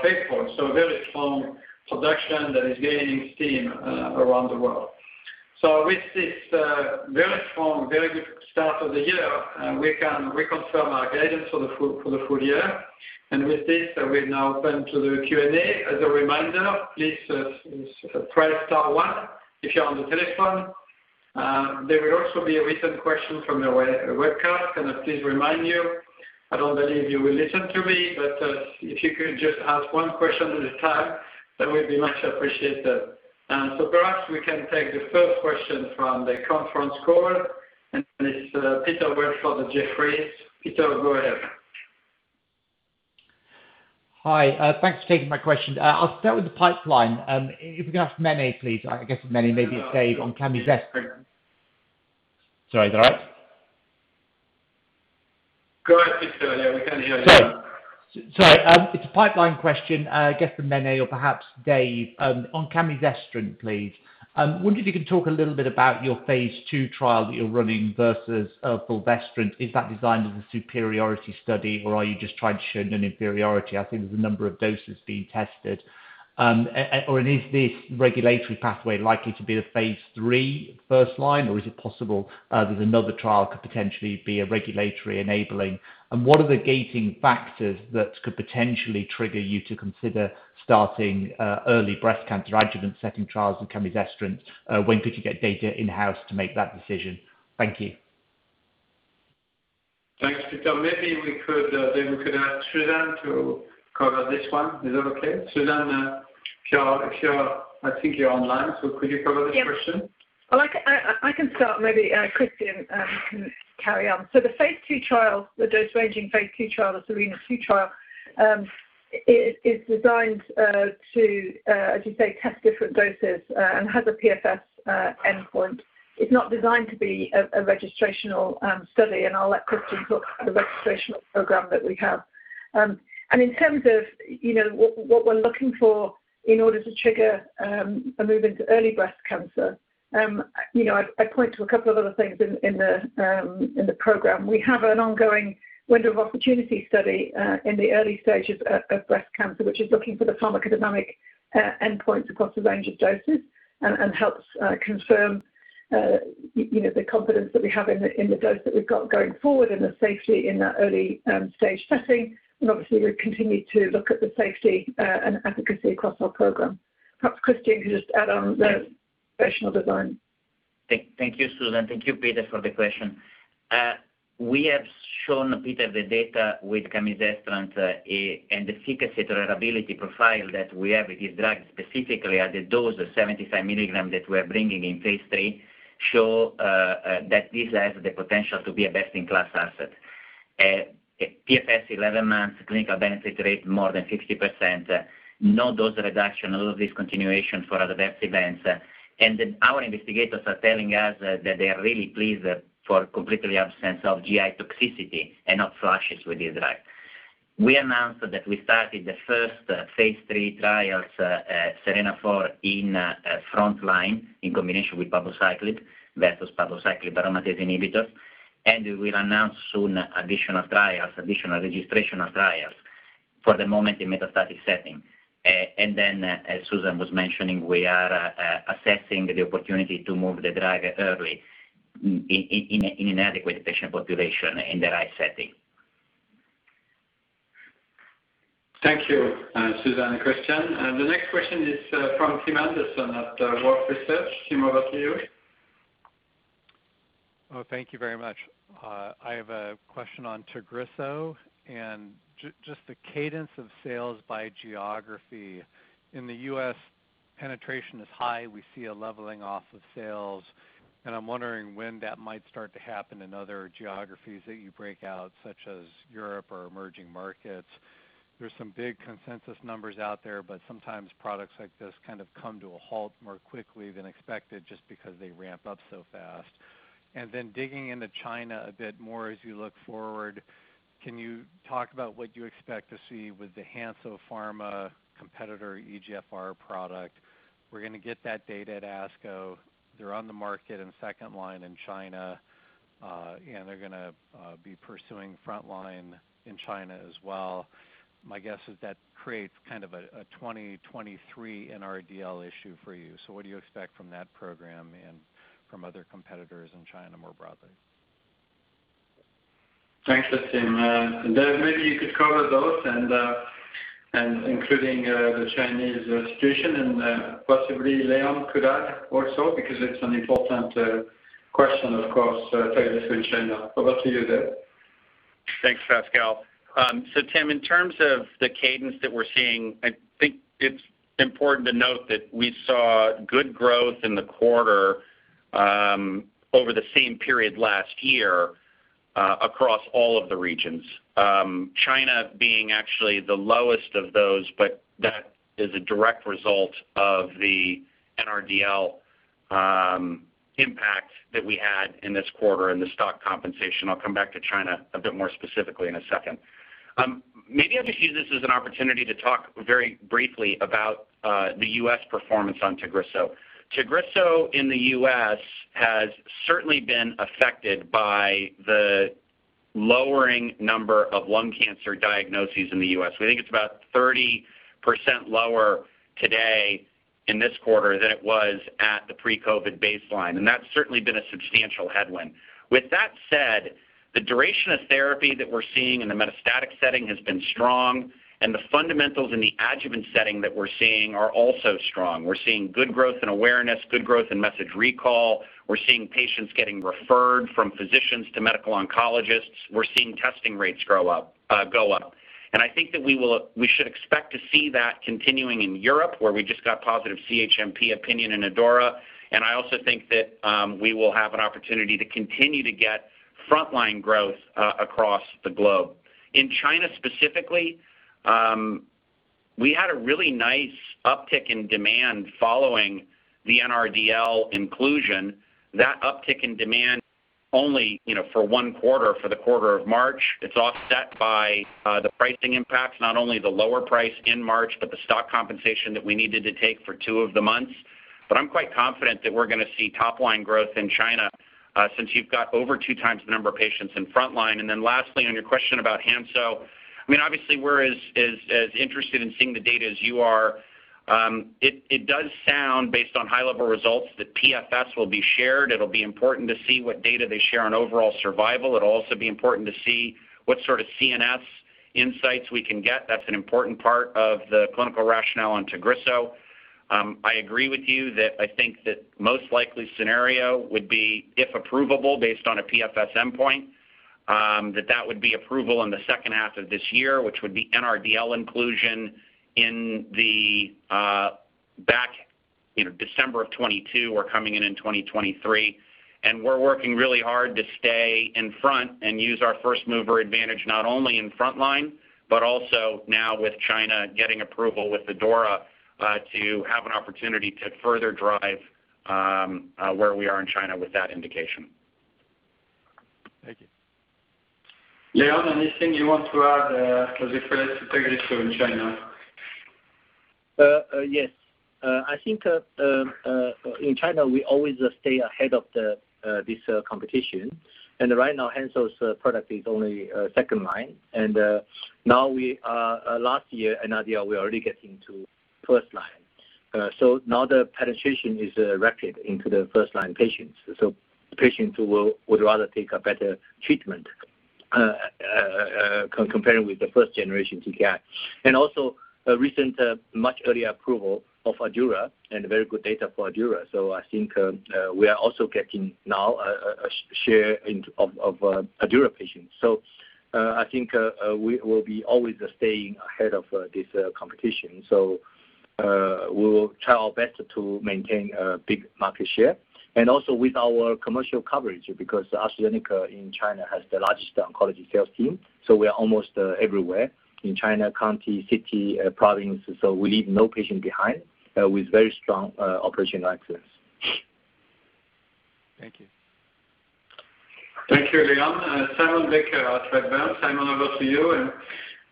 April. Very strong production that is gaining steam around the world. With this very strong, very good start of the year, we can reconfirm our guidance for the full year. With this, we now open to the Q&A. As a reminder, please press star one if you're on the telephone. There will also be a written question from the webcast. Can I please remind you, I don't believe you will listen to me, but if you could just ask one question at a time, that would be much appreciated. Perhaps we can take the first question from the conference call, and it's Peter Welford from Jefferies. Peter, go ahead. Hi. Thanks for taking my question. I'll start with the pipeline. If we can ask Mene, please. I guess Mene, maybe it's Dave on Camizest. Sorry, is that right? Go ahead, Peter. Yeah, we can hear you. Sorry. It's a pipeline question, I guess for Mene or perhaps Dave, on camizestrant, please. I wonder if you can talk a little bit about your phase II trial that you're running versus fulvestrant. Is that designed as a superiority study, or are you just trying to show non-inferiority? I think there's a number of doses being tested. Is this regulatory pathway likely to be the phase III first line, or is it possible there's another trial could potentially be a regulatory enabling? What are the gating factors that could potentially trigger you to consider starting early breast cancer adjuvant setting trials with camizestrant? When could you get data in-house to make that decision? Thank you. Thanks, Peter. Maybe we could ask Susan to cover this one. Is that okay? Susan, if you're online, could you cover this question? Yep. Well, I can start, maybe Cristian can carry on. The phase II trial, the dose ranging phase II trial, the SERENA-2 trial, is designed to, as you say, test different doses, and has a PFS endpoint. It's not designed to be a registrational study, and I'll let Cristian talk the registrational program that we have. In terms of what we're looking for in order to trigger a move into early breast cancer, I point to a couple of other things in the program. We have an ongoing window of opportunity study in the early stages of breast cancer, which is looking for the pharmacodynamic endpoints across a range of doses and helps confirm the confidence that we have in the dose that we've got going forward and the safety in that early stage setting. Obviously, we continue to look at the safety and efficacy across our program. Perhaps Cristian could just add on the registrational design. Thank you, Susan Galbraith. Thank you, Peter, for the question. We have shown a bit of the data with camizestrant, and the efficacy tolerability profile that we have with this drug, specifically at the dose of 75 mg that we're bringing in phase III, show that this has the potential to be a best-in-class asset. At PFS 11 months, clinical benefit rate more than 50%, no dose reduction, a lot of discontinuation for adverse events. Our investigators are telling us that they are really pleased for completely absence of GI toxicity and hot flashes with this drug. We announced that we started the first phase III trials, SERENA-4 in frontline in combination with palbociclib versus palbociclib, aromatase inhibitor. We'll announce soon additional trials, additional registrational trials, for the moment in metastatic setting. As Susan was mentioning, we are assessing the opportunity to move the drug early in inadequate patient population in the right setting. Thank you, Susan and Cristian. The next question is from Tim Anderson at Wolfe Research. Tim, over to you. Oh, thank you very much. I have a question on Tagrisso. Just the cadence of sales by geography. In the U.S., penetration is high. We see a leveling off of sales. I'm wondering when that might start to happen in other geographies that you break out, such as Europe or emerging markets. There's some big consensus numbers out there, but sometimes products like this kind of come to a halt more quickly than expected, just because they ramp up so fast. Then digging into China a bit more as you look forward, can you talk about what you expect to see with the Hansoh Pharma competitor, EGFR product? We're going to get that data at ASCO. They're on the market in second line in China. They're going to be pursuing frontline in China as well. My guess is that creates kind of a 2023 NRDL issue for you. What do you expect from that program and from other competitors in China more broadly? Thanks, Tim. Dave, maybe you could cover those, and including the Chinese situation, and possibly Leon could add also because it's an important question, of course, TAGRISSO in China. Over to you, Dave. Thanks, Pascal. Tim, in terms of the cadence that we're seeing, I think it's important to note that we saw good growth in the quarter over the same period last year, across all of the regions. China being actually the lowest of those, but that is a direct result of the NRDL impact that we had in this quarter and the stock compensation. I'll come back to China a bit more specifically in a second. Maybe I'll just use this as an opportunity to talk very briefly about the U.S. performance on TAGRISSO. TAGRISSO in the U.S. has certainly been affected by the lowering number of lung cancer diagnoses in the U.S. We think it's about 30% lower today in this quarter than it was at the pre-COVID-19 baseline, that's certainly been a substantial headwind. With that said, the duration of therapy that we're seeing in the metastatic setting has been strong, and the fundamentals in the adjuvant setting that we're seeing are also strong. We're seeing good growth in awareness, good growth in message recall. We're seeing patients getting referred from physicians to medical oncologists. We're seeing testing rates go up. I think that we should expect to see that continuing in Europe, where we just got positive CHMP opinion in ADAURA. I also think that we will have an opportunity to continue to get frontline growth across the globe. In China, we had a really nice uptick in demand following the NRDL inclusion. That uptick in demand only for one quarter, for the quarter of March. It's offset by the pricing impacts, not only the lower price in March, but the stock compensation that we needed to take for two of the months. I'm quite confident that we're going to see top-line growth in China, since you've got over two times the number of patients in frontline. Lastly, on your question about Hansoh, obviously we're as interested in seeing the data as you are. It does sound, based on high-level results, that PFS will be shared. It'll be important to see what data they share on overall survival. It'll also be important to see what sort of CNS insights we can get. That's an important part of the clinical rationale on TAGRISSO. I agree with you that I think that most likely scenario would be if approvable based on a PFS endpoint, that that would be approval in the second half of this year, which would be NRDL inclusion in the back December of 2022 or coming in in 2023. We're working really hard to stay in front and use our first-mover advantage, not only in frontline, but also now with China getting approval with ADAURA to have an opportunity to further drive where we are in China with that indication. Thank you. Leon, anything you want to add with reference to TAGRISSO in China? Yes. I think in China, we always stay ahead of this competition. Right now, Hansoh's product is only second line. Now last year and earlier, we're already getting to first line. Now the penetration is rapid into the first line patients. Patients would rather take a better treatment, comparing with the first-generation TKI. Also, recent much earlier approval of ADAURA and very good data for ADAURA. I think we are also getting now a share of ADAURA patients. I think we will be always staying ahead of this competition. We will try our best to maintain a big market share. Also with our commercial coverage, because AstraZeneca in China has the largest oncology sales team. We are almost everywhere in China, county, city, province. We leave no patient behind with very strong operational access. Thank you. Thank you, Leon. Simon Baker at Redburn. Simon, over to you.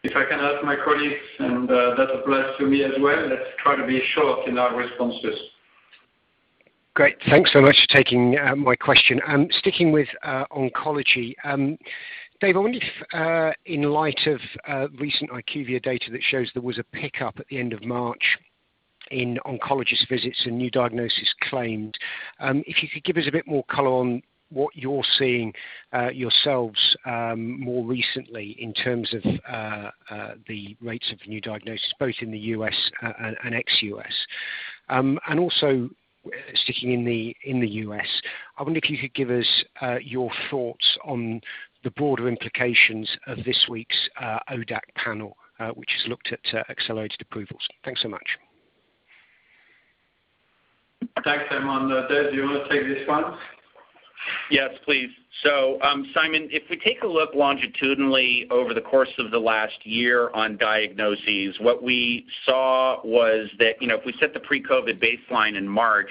If I can ask my colleagues, and that applies to me as well, let's try to be short in our responses. Great. Thanks so much for taking my question. Sticking with oncology, Dave, I wonder if in light of recent IQVIA data that shows there was a pickup at the end of March in oncologist visits and new diagnosis claimed, if you could give us a bit more color on what you're seeing yourselves more recently in terms of the rates of new diagnosis, both in the U.S. and ex-U.S. Also sticking in the U.S., I wonder if you could give us your thoughts on the broader implications of this week's ODAC panel, which has looked at accelerated approvals. Thanks so much. Thanks, Simon. Dave, do you want to take this one? Yes, please. Simon, if we take a look longitudinally over the course of the last year on diagnoses, what we saw was that if we set the pre-COVID baseline in March,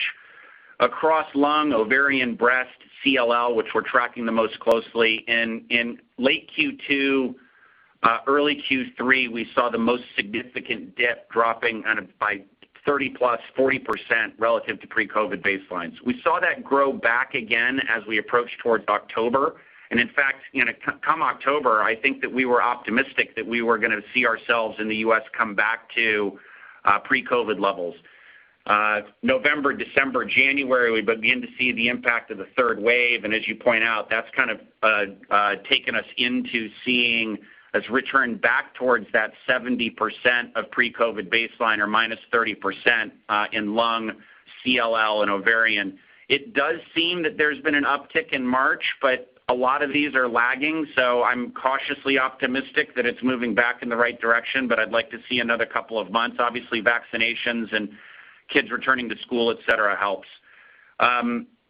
across lung, ovarian, breast, CLL, which we're tracking the most closely, in late Q2, early Q3, we saw the most significant dip dropping by 30%+, 40% relative to pre-COVID baselines. We saw that grow back again as we approached towards October, and in fact, come October, I think that we were optimistic that we were going to see ourselves in the U.S. come back to pre-COVID levels. November, December, January, we begin to see the impact of the third wave, and as you point out, that's kind of taken us into seeing us return back towards that 70% of pre-COVID baseline or -30% in lung, CLL, and ovarian. It does seem that there's been an uptick in March, but a lot of these are lagging, so I'm cautiously optimistic that it's moving back in the right direction, but I'd like to see another couple of months. Obviously, vaccinations and kids returning to school, et cetera, helps.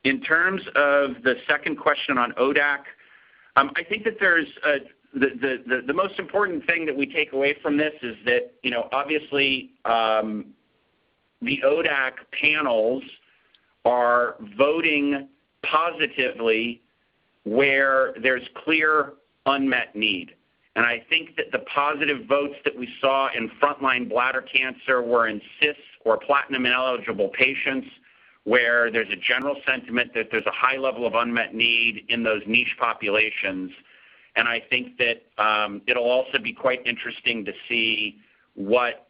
In terms of the second question on ODAC, I think that the most important thing that we take away from this is that, obviously, the ODAC panels are voting positively where there's clear unmet need. I think that the positive votes that we saw in frontline bladder cancer were in cis or platinum-ineligible patients, where there's a general sentiment that there's a high level of unmet need in those niche populations. I think that it'll also be quite interesting to see what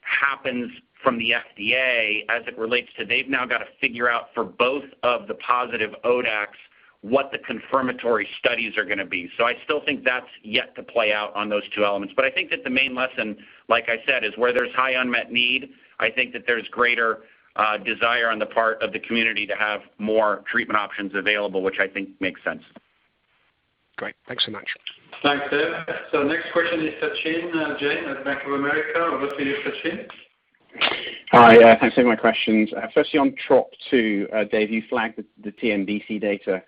happens from the FDA as it relates to they've now got to figure out for both of the positive ODACs what the confirmatory studies are going to be. I still think that's yet to play out on those two elements. I think that the main lesson, like I said, is where there's high unmet need, I think that there's greater desire on the part of the community to have more treatment options available, which I think makes sense. Great. Thanks so much. Thanks, Dave. Next question is Sachin Jain at Bank of America. Over to you, Sachin. Hi. Thanks for taking my questions. Firstly, on TROP2, Dave, you flagged the TNBC data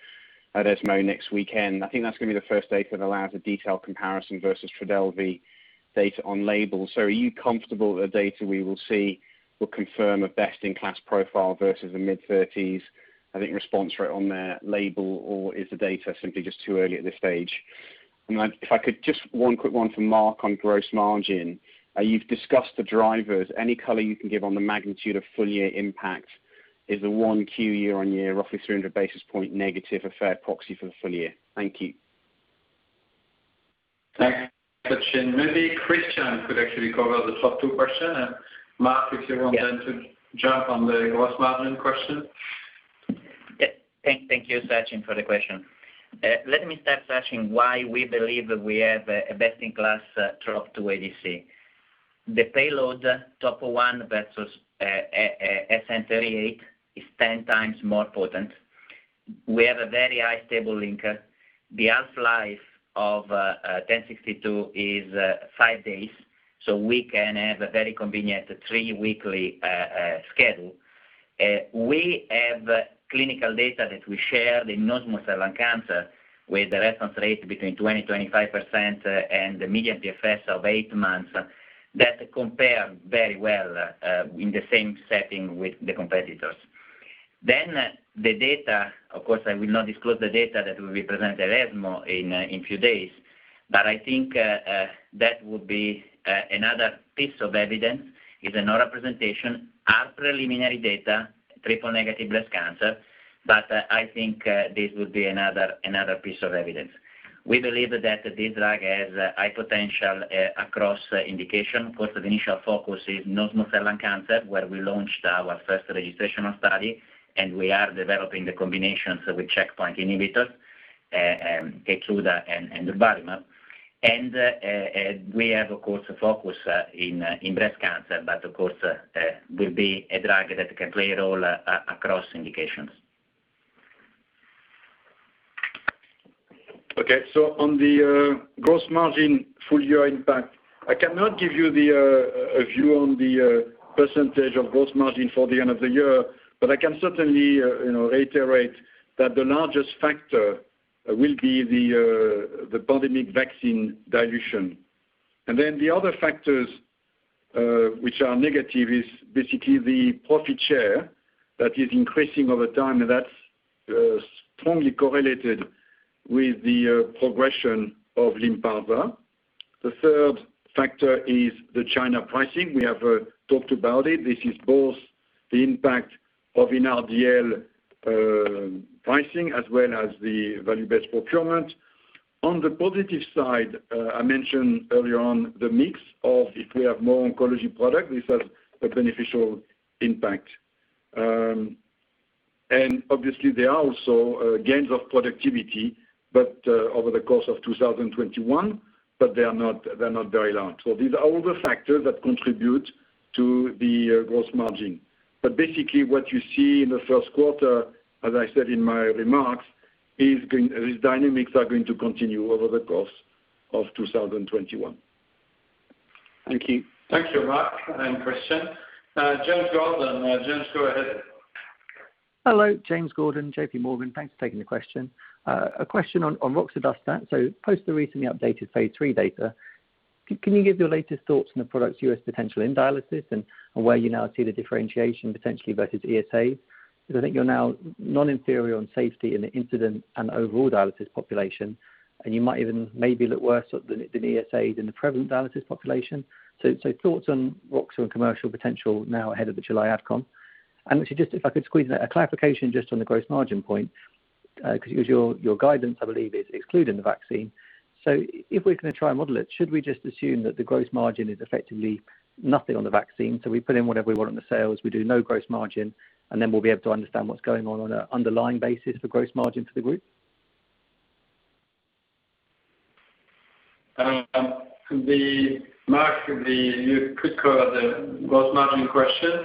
at ESMO next weekend. I think that's going to be the first data that allows a detailed comparison versus TRODELVY data on label. Are you comfortable the data we will see will confirm a best-in-class profile versus the mid-30s, I think, response rate on their label, or is the data simply just too early at this stage? If I could, just one quick one for Marc on gross margin. You've discussed the drivers. Any color you can give on the magnitude of full-year impact is the 1Q year-on-year, roughly 300 basis point negative a fair proxy for the full year? Thank you. Thanks, Sachin. Maybe Cristian could actually cover the TROP2 question. Mark, if you want then to jump on the gross margin question. Thank you, Sachin, for the question. Let me start, Sachin, why we believe we have a best-in-class TROP2 ADC. The payload DXd versus SN-38 is 10x more potent. We have a very high stable linker. The half-life of DS-1062 is five days, we can have a very convenient three weekly schedule. We have clinical data that we share the non-small cell lung cancer with a response rate between 20%-25% and the median PFS of eight months that compare very well in the same setting with the competitors. The data, of course, I will not disclose the data that will be presented at ESMO in few days. I think that would be another piece of evidence is another presentation are preliminary data, triple-negative breast cancer. I think this would be another piece of evidence. We believe that this drug has a high potential across indication. The initial focus is non-small cell lung cancer, where we launched our first registration of study, and we are developing the combinations with checkpoint inhibitors, KEYTRUDA and durvalumab. We have, of course, a focus in breast cancer, but of course, will be a drug that can play a role across indications. On the gross margin full-year impact, I cannot give you a view on the percentage of gross margin for the end of the year. I can certainly reiterate that the largest factor will be the pandemic vaccine dilution. Then the other factors which are negative is basically the profit share that is increasing over time, that's strongly correlated with the progression of Lynparza. The third factor is the China pricing. We have talked about it. This is both the impact of NRDL pricing as well as the Value-Based Procurement. On the positive side, I mentioned earlier on the mix of if we have more oncology product, this has a beneficial impact. Obviously, there are also gains of productivity, but over the course of 2021, but they're not very large. These are all the factors that contribute to the gross margin. Basically what you see in the first quarter, as I said in my remarks, these dynamics are going to continue over the course of 2021. Thank you. Thank you, Marc and Cristian. James Gordon. James, go ahead. Hello. James Gordon, JPMorgan. Thanks for taking the question. A question on roxadustat. Post the recently updated phase III data, can you give your latest thoughts on the product's U.S. potential in dialysis and where you now see the differentiation potentially versus ESA? Because I think you're now non-inferior on safety in the incident and overall dialysis population, and you might even maybe look worse at than ESA in the prevalent dialysis population. Thoughts on roxo and commercial potential now ahead of the July AdCom. Actually, just if I could squeeze in a clarification just on the gross margin point, because your guidance, I believe, is excluding the vaccine. If we're going to try and model it, should we just assume that the gross margin is effectively nothing on the vaccine? We put in whatever we want on the sales, we do no gross margin, and then we'll be able to understand what's going on on an underlying basis for gross margin for the group. Mark, could you quickly cover the gross margin question?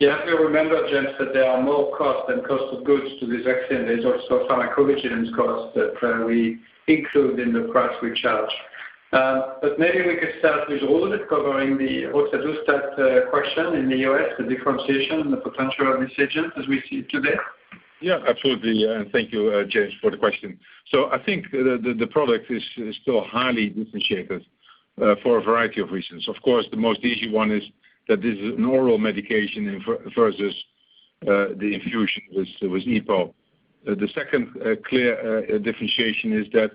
You have to remember, James, that there are more costs than cost of goods to this vaccine. There's also pharmacovigilance costs that we include in the price we charge. Maybe we could start with Ruud covering the roxadustat question in the U.S., the differentiation, the potential decisions as we see today. Yeah, absolutely. Thank you, James, for the question. I think the product is still highly differentiated for a variety of reasons. Of course, the most easy one is that this is an oral medication versus the infusion with EPO. The second clear differentiation is that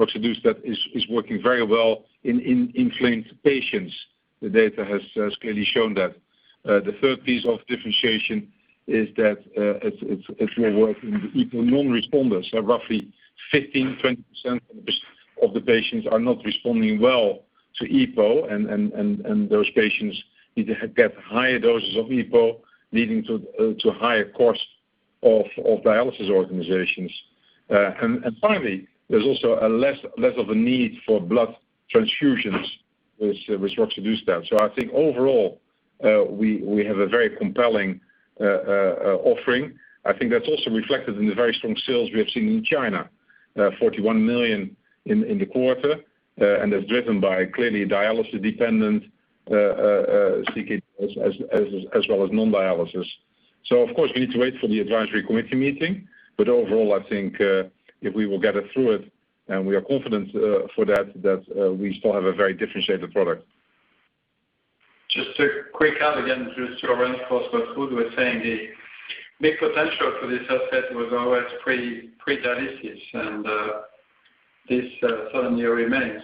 roxadustat is working very well in inflamed patients. The data has clearly shown that. The third piece of differentiation is that it will work in the EPO non-responders. Roughly 15%-20% of the patients are not responding well to EPO, and those patients need to get higher doses of EPO, leading to higher cost of dialysis organizations. Finally, there's also less of a need for blood transfusions with roxadustat. I think overall, we have a very compelling offering. I think that's also reflected in the very strong sales we have seen in China. $41 million in the quarter, and is driven by clearly dialysis-dependent CKD as well as non-dialysis. Of course, we need to wait for the Advisory Committee meeting, but overall, I think if we will get it through it, and we are confident for that we still have a very differentiated product. Just a quick add, again, just to reinforce what Ruud was saying, the big potential for this asset was always pre-dialysis, and this certainly remains.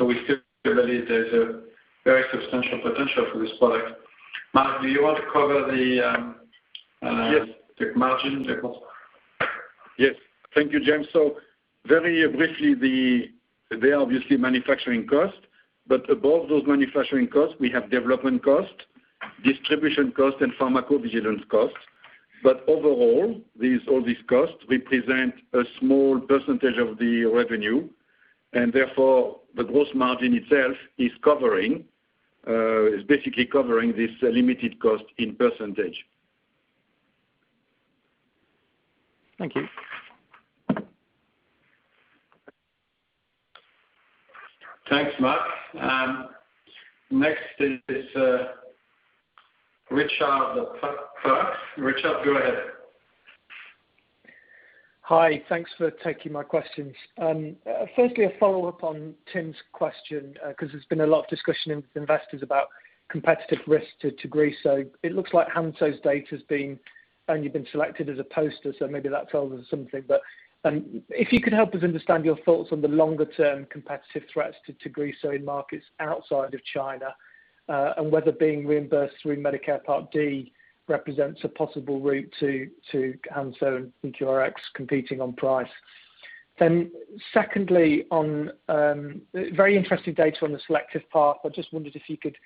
We still believe there's a very substantial potential for this product. Marc, do you want to cover the- Yes the margin report? Yes. Thank you, James. Very briefly, there are obviously manufacturing costs, but above those manufacturing costs, we have development costs, distribution costs, and pharmacovigilance costs. Overall, all these costs represent a small percentage of the revenue, and therefore, the gross margin itself is basically covering this limited cost in percentage. Thank you. Thanks, Marc. Next is Richard Parkes at BNP Paribas. Richard, go ahead. Hi. Thanks for taking my questions. A follow-up on Tim's question, because there's been a lot of discussion with investors about competitive risk to TAGRISSO. It looks like Hansoh's data's only been selected as a poster, maybe that tells us something. If you could help us understand your thoughts on the longer-term competitive threats to TAGRISSO in markets outside of China, and whether being reimbursed through Medicare Part D represents a possible route to Hansoh and EQRx competing on price. Secondly, very interesting data on the selective PARP. I just wondered if you could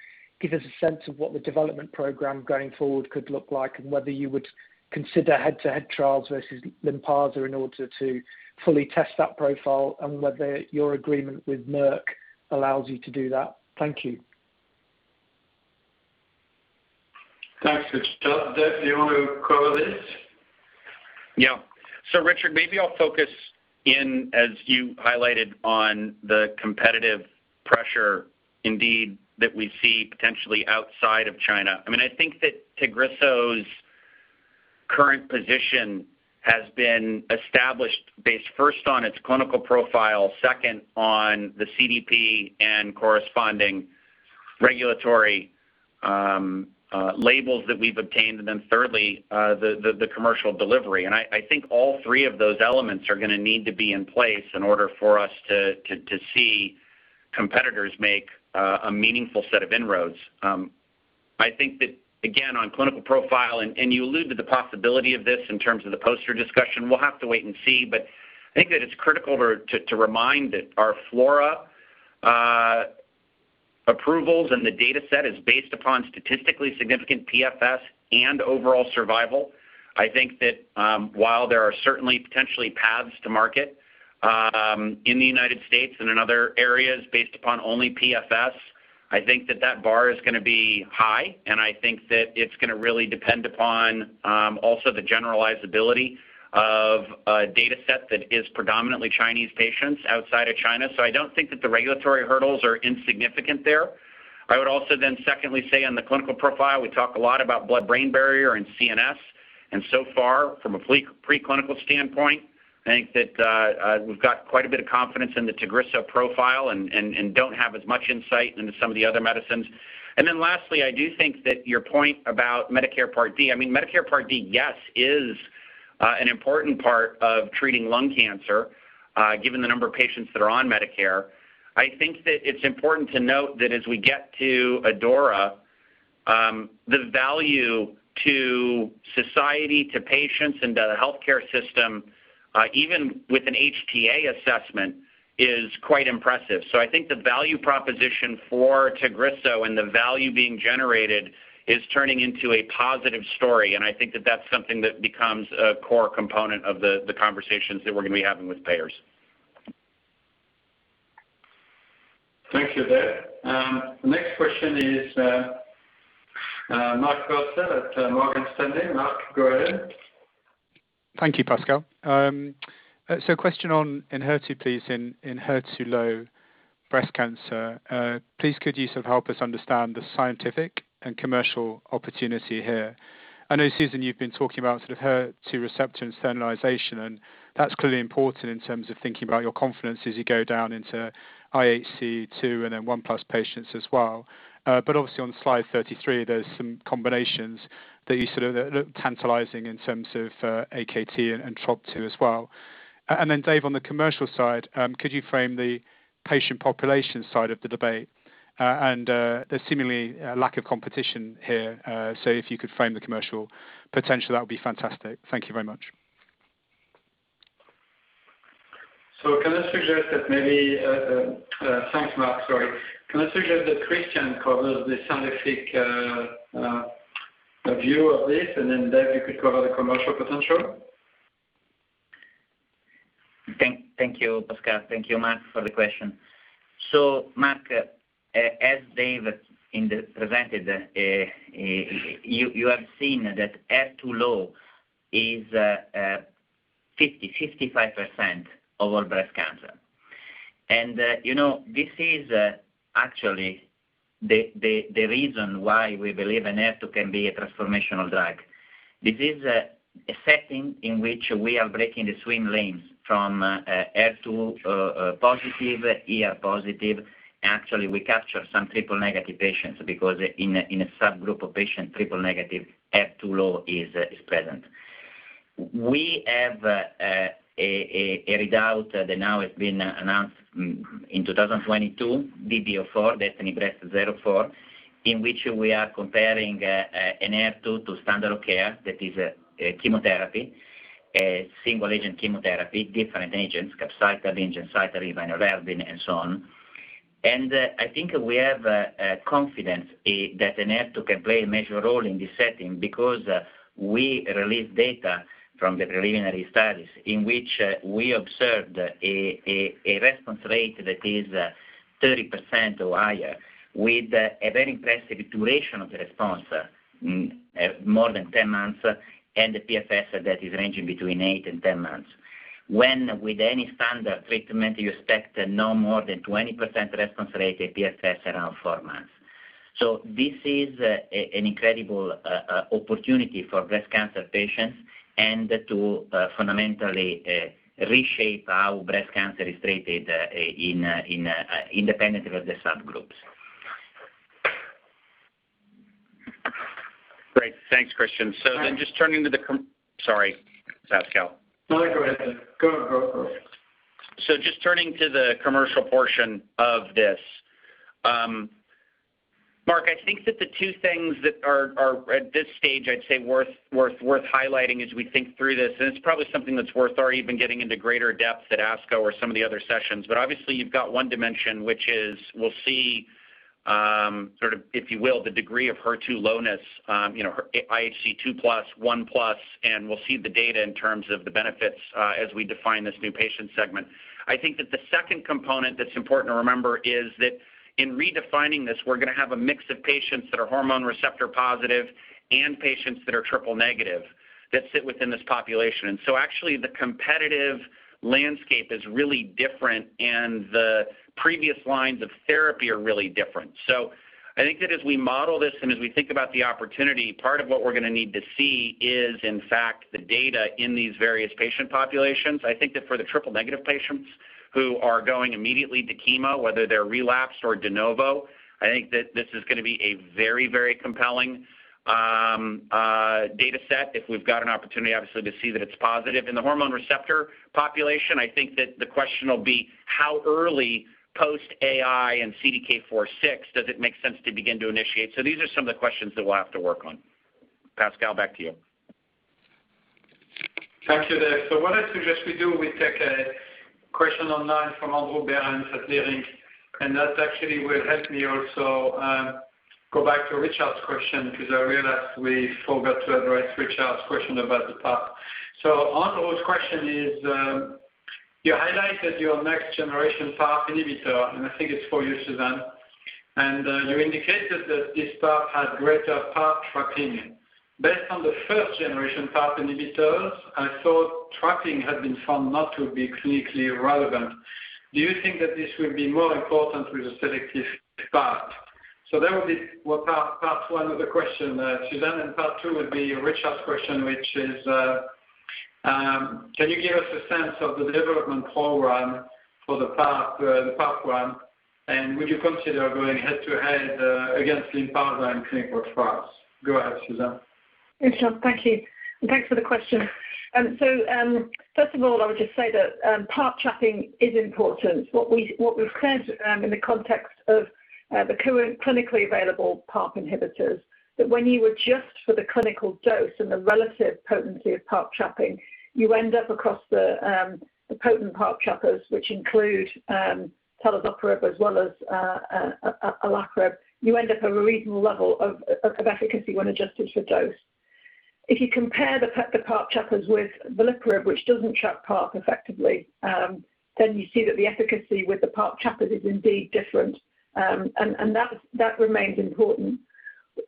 give us a sense of what the development program going forward could look like, and whether you would consider head-to-head trials versus Lynparza in order to fully test that profile, and whether your agreement with Merck allows you to do that. Thank you. Thanks, Richard. Dave, do you want to cover this? Richard, maybe I'll focus in, as you highlighted, on the competitive pressure indeed that we see potentially outside of China. I think that TAGRISSO's current position has been established based first on its clinical profile, second on the CDP and corresponding regulatory labels that we've obtained, and then thirdly, the commercial delivery. I think all three of those elements are going to need to be in place in order for us to see competitors make a meaningful set of inroads. I think that, again, on clinical profile, and you allude to the possibility of this in terms of the poster discussion, we'll have to wait and see. I think that it's critical to remind that our FLAURA approvals and the data set is based upon statistically significant PFS and overall survival. I think that while there are certainly potentially paths to market in the U.S. and in other areas based upon only PFS, I think that that bar is going to be high, and I think that it's going to really depend upon also the generalizability of a data set that is predominantly Chinese patients outside of China. I don't think that the regulatory hurdles are insignificant there. I would also secondly say on the clinical profile, we talk a lot about blood-brain barrier and CNS, and so far from a preclinical standpoint, I think that we've got quite a bit of confidence in the TAGRISSO profile and don't have as much insight into some of the other medicines. Lastly, I do think that your point about Medicare Part D. Medicare Part D, yes, is an important part of treating lung cancer, given the number of patients that are on Medicare. I think that it's important to note that as we get to ADAURA, the value to society, to patients, and to the healthcare system, even with an HTA assessment, is quite impressive. I think the value proposition for TAGRISSO and the value being generated is turning into a positive story, and I think that that's something that becomes a core component of the conversations that we're going to be having with payers. Thank you, Dave. The next question is Mark Purcell at Morgan Stanley. Mark, go ahead. Thank you, Pascal. A question on Enhertu, please, in HER2-low breast cancer. Please, could you help us understand the scientific and commercial opportunity here? I know, Susan, you've been talking about sort of HER2 receptor internalization, and that's clearly important in terms of thinking about your confidence as you go down into IHC 2 and then 1+ patients as well. Obviously on slide 33, there's some combinations that look tantalizing in terms of AKT and TROP2 as well. Dave, on the commercial side, could you frame the patient population side of the debate? There's seemingly a lack of competition here. If you could frame the commercial potential, that would be fantastic. Thank you very much. Thanks, Mark, sorry. Can I suggest that Cristian covers the scientific view of this, and then Dave, you could cover the commercial potential? Thank you, Pascal. Thank you, Mark, for the question. Mark, as Dave presented, you have seen that HER2-low is 50%-55% of all breast cancer. This is actually the reason why we believe Enhertu can be a transformational drug. This is a setting in which we are breaking the swim lanes from HER2-positive, ER-positive. Actually, we capture some triple-negative patients because in a subgroup of patients, triple-negative HER2-low is present. We have a readout that now has been announced in 2022, DB04, DESTINY-Breast04, in which we are comparing Enhertu to standard of care, that is chemotherapy, single agent chemotherapy, different agents, capecitabine, gemcitabine, vinorelbine and so on. I think we have confidence that Enhertu can play a major role in this setting because we released data from the preliminary studies in which we observed a response rate that is 30% or higher with a very impressive duration of the response, more than 10 months, and the PFS that is ranging between 8 and 10 months. When with any standard treatment, you expect no more than 20% response rate, a PFS around four months. This is an incredible opportunity for breast cancer patients and to fundamentally reshape how breast cancer is treated independently of the subgroups. Great. Thanks, Cristian. Sorry, Pascal. No, go ahead. Go. Just turning to the commercial portion of this. Mark, I think that the two things that are at this stage, I'd say worth highlighting as we think through this, and it's probably something that's worth our even getting into greater depth at ASCO or some of the other sessions. Obviously you've got one dimension, which is we'll see sort of, if you will, the degree of HER2 lowness IHC 2+, 1+, and we'll see the data in terms of the benefits as we define this new patient segment. I think that the second component that's important to remember is that in redefining this, we're going to have a mix of patients that are hormone receptor positive and patients that are triple negative that sit within this population. Actually the competitive landscape is really different and the previous lines of therapy are really different. I think that as we model this and as we think about the opportunity, part of what we're going to need to see is in fact the data in these various patient populations. I think that for the triple negative patients who are going immediately to chemo, whether they're relapsed or de novo, I think that this is going to be a very compelling dataset if we've got an opportunity, obviously, to see that it's positive. In the hormone receptor population, I think that the question will be how early post AI and CDK4/6 does it make sense to begin to initiate? These are some of the questions that we'll have to work on. Pascal, back to you. Thank you, Dave. What I suggest we do, we take a question online from Andrew Berens at SVB Leerink, and that actually will help me also go back to Richard's question because I realized we forgot to address Richard's question about the PARP. Andrew's question is, you highlighted your next generation PARP inhibitor, and I think it's for you, Susan, and you indicated that this PARP had greater PARP trapping. Based on the first generation PARP inhibitors, I thought trapping had been found not to be clinically relevant. Do you think that this will be more important with a selective PARP? That will be part one of the question, Susan, and part two would be Richard's question, which is can you give us a sense of the development program for the PARP1, and would you consider going head-to-head against Lynparza in clinical trials? Go ahead, Susan Galbraith. Sure. Thank you, and thanks for the question. First of all, I would just say that PARP trapping is important. What we've said in the context of the current clinically available PARP inhibitors, that when you adjust for the clinical dose and the relative potency of PARP trapping, you end up across the potent PARP trappers, which include talazoparib as well as olaparib, you end up at a reasonable level of efficacy when adjusted for dose. If you compare the PARP trappers with veliparib, which doesn't trap PARP effectively, you see that the efficacy with the PARP trappers is indeed different. That remains important.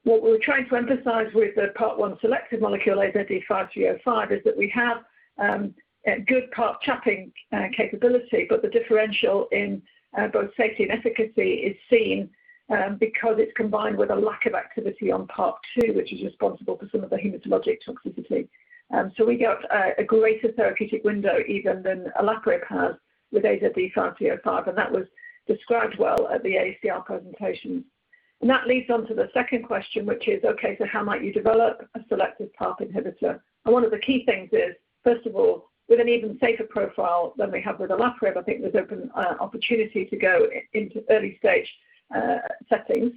What we were trying to emphasize with the PARP1 selective molecule AZD5305 is that we have good PARP trapping capability, the differential in both safety and efficacy is seen because it's combined with a lack of activity on PARP2, which is responsible for some of the hematologic toxicity. We get a greater therapeutic window even than olaparib has with AZD5305, and that was described well at the AACR presentation. That leads on to the second question, which is, okay, how might you develop a selective PARP inhibitor? One of the key things is, first of all, with an even safer profile than we have with olaparib, I think there's open opportunity to go into early-stage settings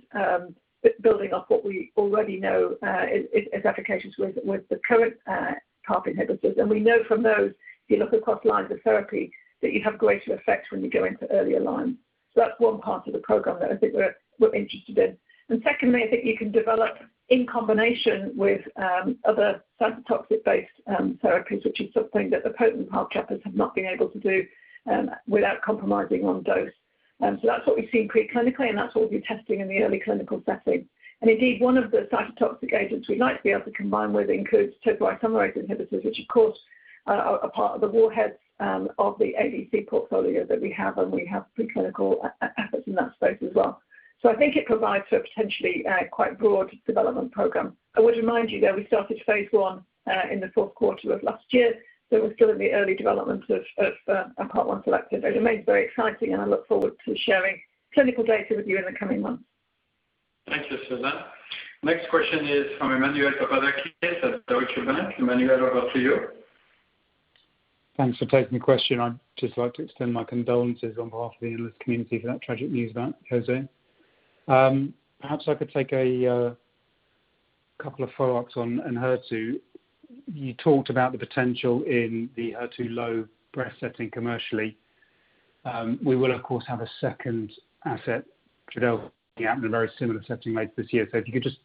building off what we already know is efficacious with the current PARP inhibitors. We know from those, if you look across lines of therapy, that you have greater effect when you go into earlier lines. That's one part of the program that I think we're interested in. Secondly, I think you can develop in combination with other cytotoxic-based therapies, which is something that the potent PARP trappers have not been able to do without compromising on dose. That's what we've seen pre-clinically, and that's what we'll be testing in the early clinical setting. Indeed, one of the cytotoxic agents we'd like to be able to combine with includes topoisomerase inhibitors, which of course, are part of the warhead of the ADC portfolio that we have, and we have preclinical efforts in that space as well. I think it provides for a potentially quite broad development program. I would remind you that we started phase I in the fourth quarter of last year, we're still in the early development of a PARP1 selective. It remains very exciting, and I look forward to sharing clinical data with you in the coming months. Thank you, Susan. Next question is from Emmanuel Papadakis at Deutsche Bank. Emmanuel, over to you. Thanks for taking the question. I'd just like to extend my condolences on behalf of the analyst community for that tragic news about José. Perhaps I could take a couple of follow-ups on Enhertu. You talked about the potential in the HER2-low breast setting commercially. We will, of course, have a second asset, TRODELVY, out in a very similar setting later this year. If you could just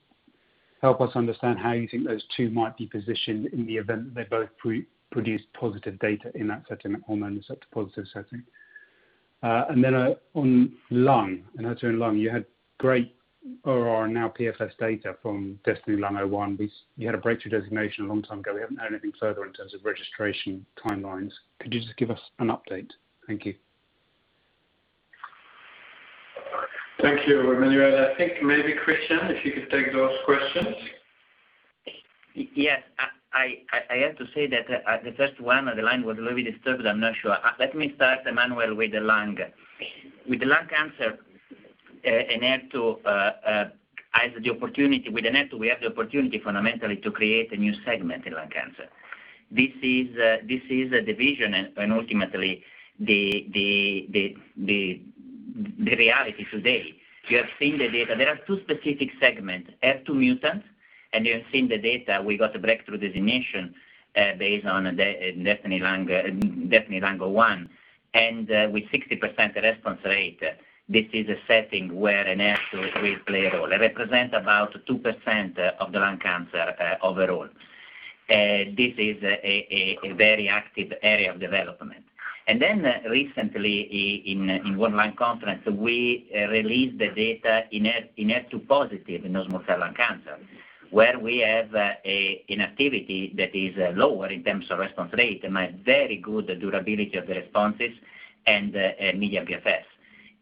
help us understand how you think those two might be positioned in the event that they both produce positive data in that setting, hormone receptor-positive setting. Then on lung, Enhertu in lung, you had great OR and PFS data from DESTINY-Lung01. You had a breakthrough designation a long time ago. We haven't heard anything further in terms of registration timelines. Could you just give us an update? Thank you. Thank you, Emmanuel. I think maybe Cristian, if you could take those questions. Yes. I have to say that the first one on the line was a little bit disturbed. I am not sure. Let me start, Emmanuel, with the lung cancer, with Enhertu we have the opportunity fundamentally to create a new segment in lung cancer. This is a division and ultimately the reality today. You have seen the data. There are two specific segments, HER2 mutant, and you have seen the data. We got a breakthrough designation based on DESTINY-Lung01, and with 60% response rate, this is a setting where Enhertu will play a role. It represents about 2% of the lung cancer overall. This is a very active area of development. Recently in one lung conference, we released the data in HER2-positive in non-small cell lung cancer, where we have an activity that is lower in terms of response rate, but very good durability of the responses and median PFS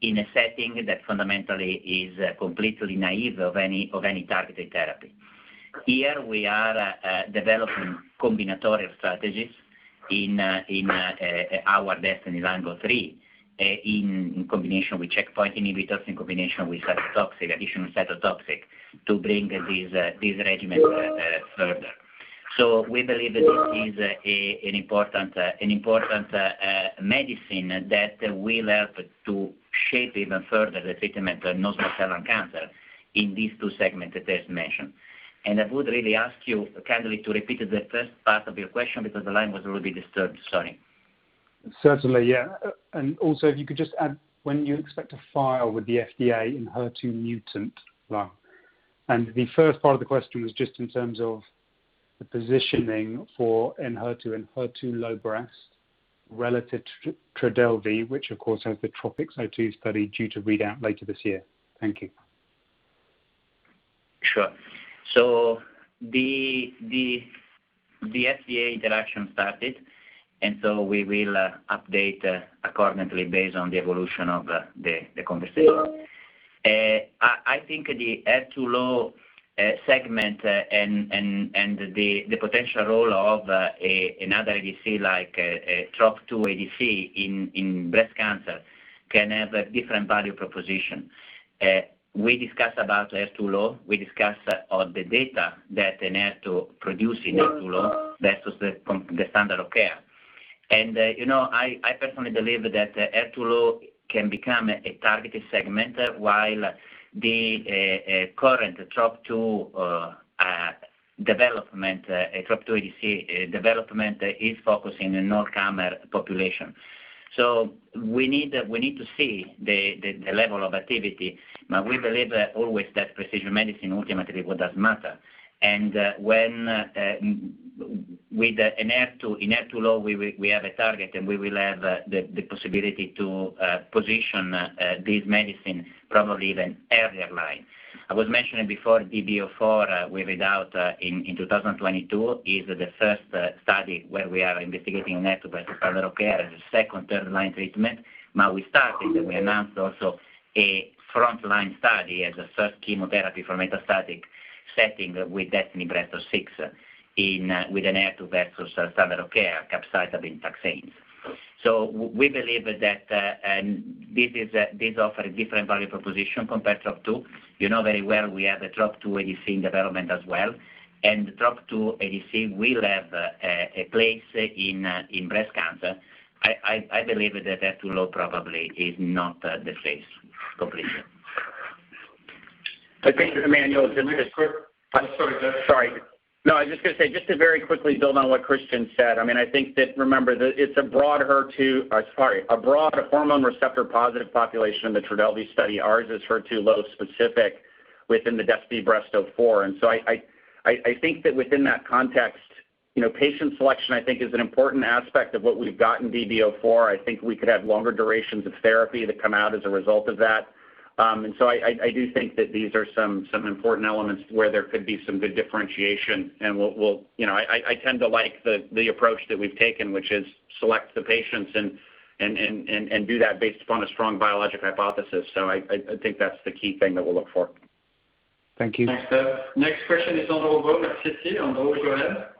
in a setting that fundamentally is completely naive of any targeted therapy. Here we are developing combinatoric strategies in our DESTINY-Lung03 in combination with checkpoint inhibitors, in combination with cytotoxic, additional cytotoxic, to bring these regimens further. We believe that this is an important medicine that will help to shape even further the treatment of non-small cell lung cancer in these two segments that I just mentioned. I would really ask you kindly to repeat the first part of your question because the line was a little bit disturbed. Sorry. Certainly, yeah. Also if you could just add when you expect to file with the FDA in HER2 mutant lung. The first part of the question was just in terms of the positioning for Enhertu in HER2-low breast relative to Trodelvy, which of course has the TROPiCS-02 study due to read out later this year. Thank you. Sure. The FDA interaction started, and so we will update accordingly based on the evolution of the conversation. I think the HER2-low segment and the potential role of another ADC like a TROP2 ADC in breast cancer can have a different value proposition. We discussed about HER2-low. We discussed all the data that Enhertu produced in HER2-low versus the standard of care. I personally believe that HER2-low can become a targeted segment while the current TROP2 ADC development is focusing on no biomarker population. We need to see the level of activity, but we believe always that precision medicine ultimately what does matter. With HER2-low, we have a target, and we will have the possibility to position this medicine probably even earlier line. I was mentioning before DB04, we read out in 2022, is the first study where we are investigating Enhertu versus standard of care as a second, third-line treatment. We announced also a frontline study as a first chemotherapy for metastatic setting with DESTINY-Breast06 with Enhertu versus standard-of-care capecitabine taxanes. We believe that this offers different value proposition compared TROP2. You know very well we have a TROP2 ADC in development as well, TROP2 ADC will have a place in breast cancer. I believe that HER2-low probably is not the case completely. Thank you, Emmanuel. Can we just. I'm sorry, Sorry. No, I was just going to say, just to very quickly build on what Cristian said. I think that, remember, it's a broad hormone receptor-positive population in the TRODELVY study. Ours is HER2-low specific within the DESTINY-Breast04. I think that within that context, patient selection, I think, is an important aspect of what we've got in DESTINY-Breast04. I think we could have longer durations of therapy that come out as a result of that. I do think that these are some important elements where there could be some good differentiation, and I tend to like the approach that we've taken, which is select the patients and do that based upon a strong biologic hypothesis. I think that's the key thing that we'll look for. Thank you. Thanks, Dave. Next question is Andrew Baum at Citi, Andrew go ahead.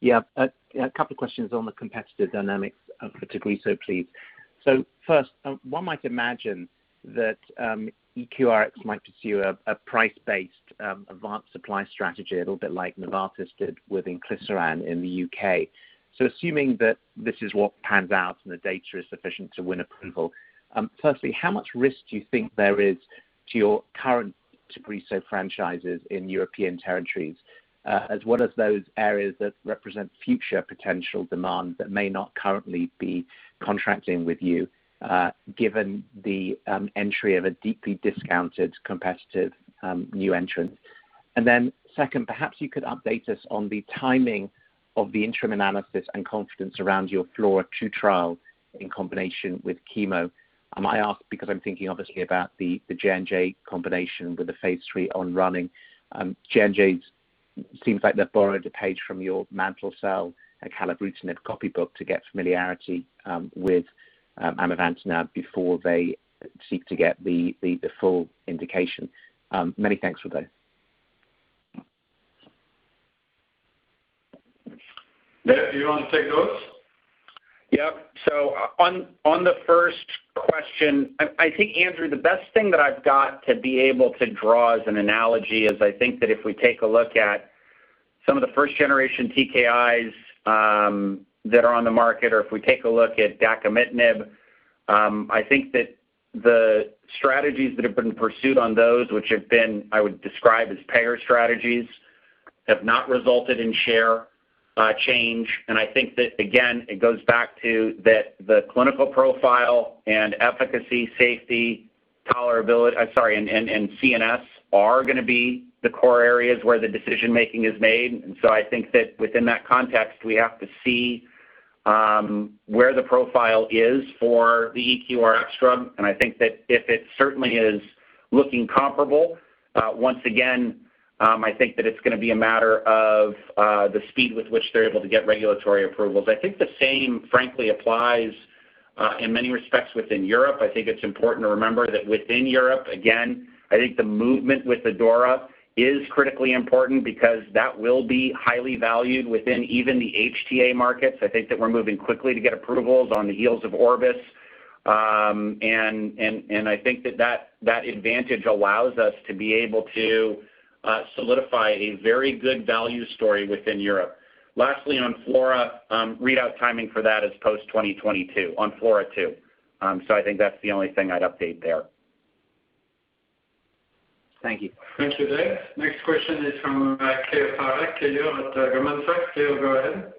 Yeah. A couple questions on the competitive dynamics of TAGRISSO, please. First, one might imagine that EQRx might pursue a price-based advance supply strategy a little bit like Novartis did with inclisiran in the U.K. Assuming that this is what pans out and the data is sufficient to win approval, firstly, how much risk do you think there is to your current TAGRISSO franchises in European territories, as what of those areas that represent future potential demand that may not currently be contracting with you, given the entry of a deeply discounted competitive, new entrant? Second, perhaps you could update us on the timing of the interim analysis and confidence around your FLAURA2 trial in combination with chemo. I ask because I'm thinking obviously about the J&J combination with the phase III on running. J&J seems like they've borrowed a page from your mantle cell and Calquence copy book to get familiarity with amivantamab before they seek to get the full indication. Many thanks for those. Dave, do you want to take those? Yep. On the first question, I think, Andrew, the best thing that I've got to be able to draw as an analogy is, I think that if we take a look at some of the first generation TKIs that are on the market, or if we take a look at dacomitinib, I think that the strategies that have been pursued on those which have been, I would describe as payer strategies, have not resulted in share change. I think that, again, it goes back to that the clinical profile and efficacy, safety, tolerability I'm sorry, and CNS are going to be the core areas where the decision-making is made. I think that within that context, we have to see where the profile is for the EQRx drug. I think that if it certainly is looking comparable, once again, I think that it's going to be a matter of the speed with which they're able to get regulatory approvals. I think the same, frankly, applies in many respects within Europe. I think it's important to remember that within Europe, again, I think the movement with the ADAURA is critically important because that will be highly valued within even the HTA markets. I think that we're moving quickly to get approvals on the heels of Project Orbis. I think that advantage allows us to be able to solidify a very good value story within Europe. Lastly, on FLAURA, readout timing for that is post-2022 on FLAURA2. I think that's the only thing I'd update there. Thank you. Thank you, Dave. Next question is from Keyur Parekh, Keyur at Goldman Sachs. Keyur, go ahead.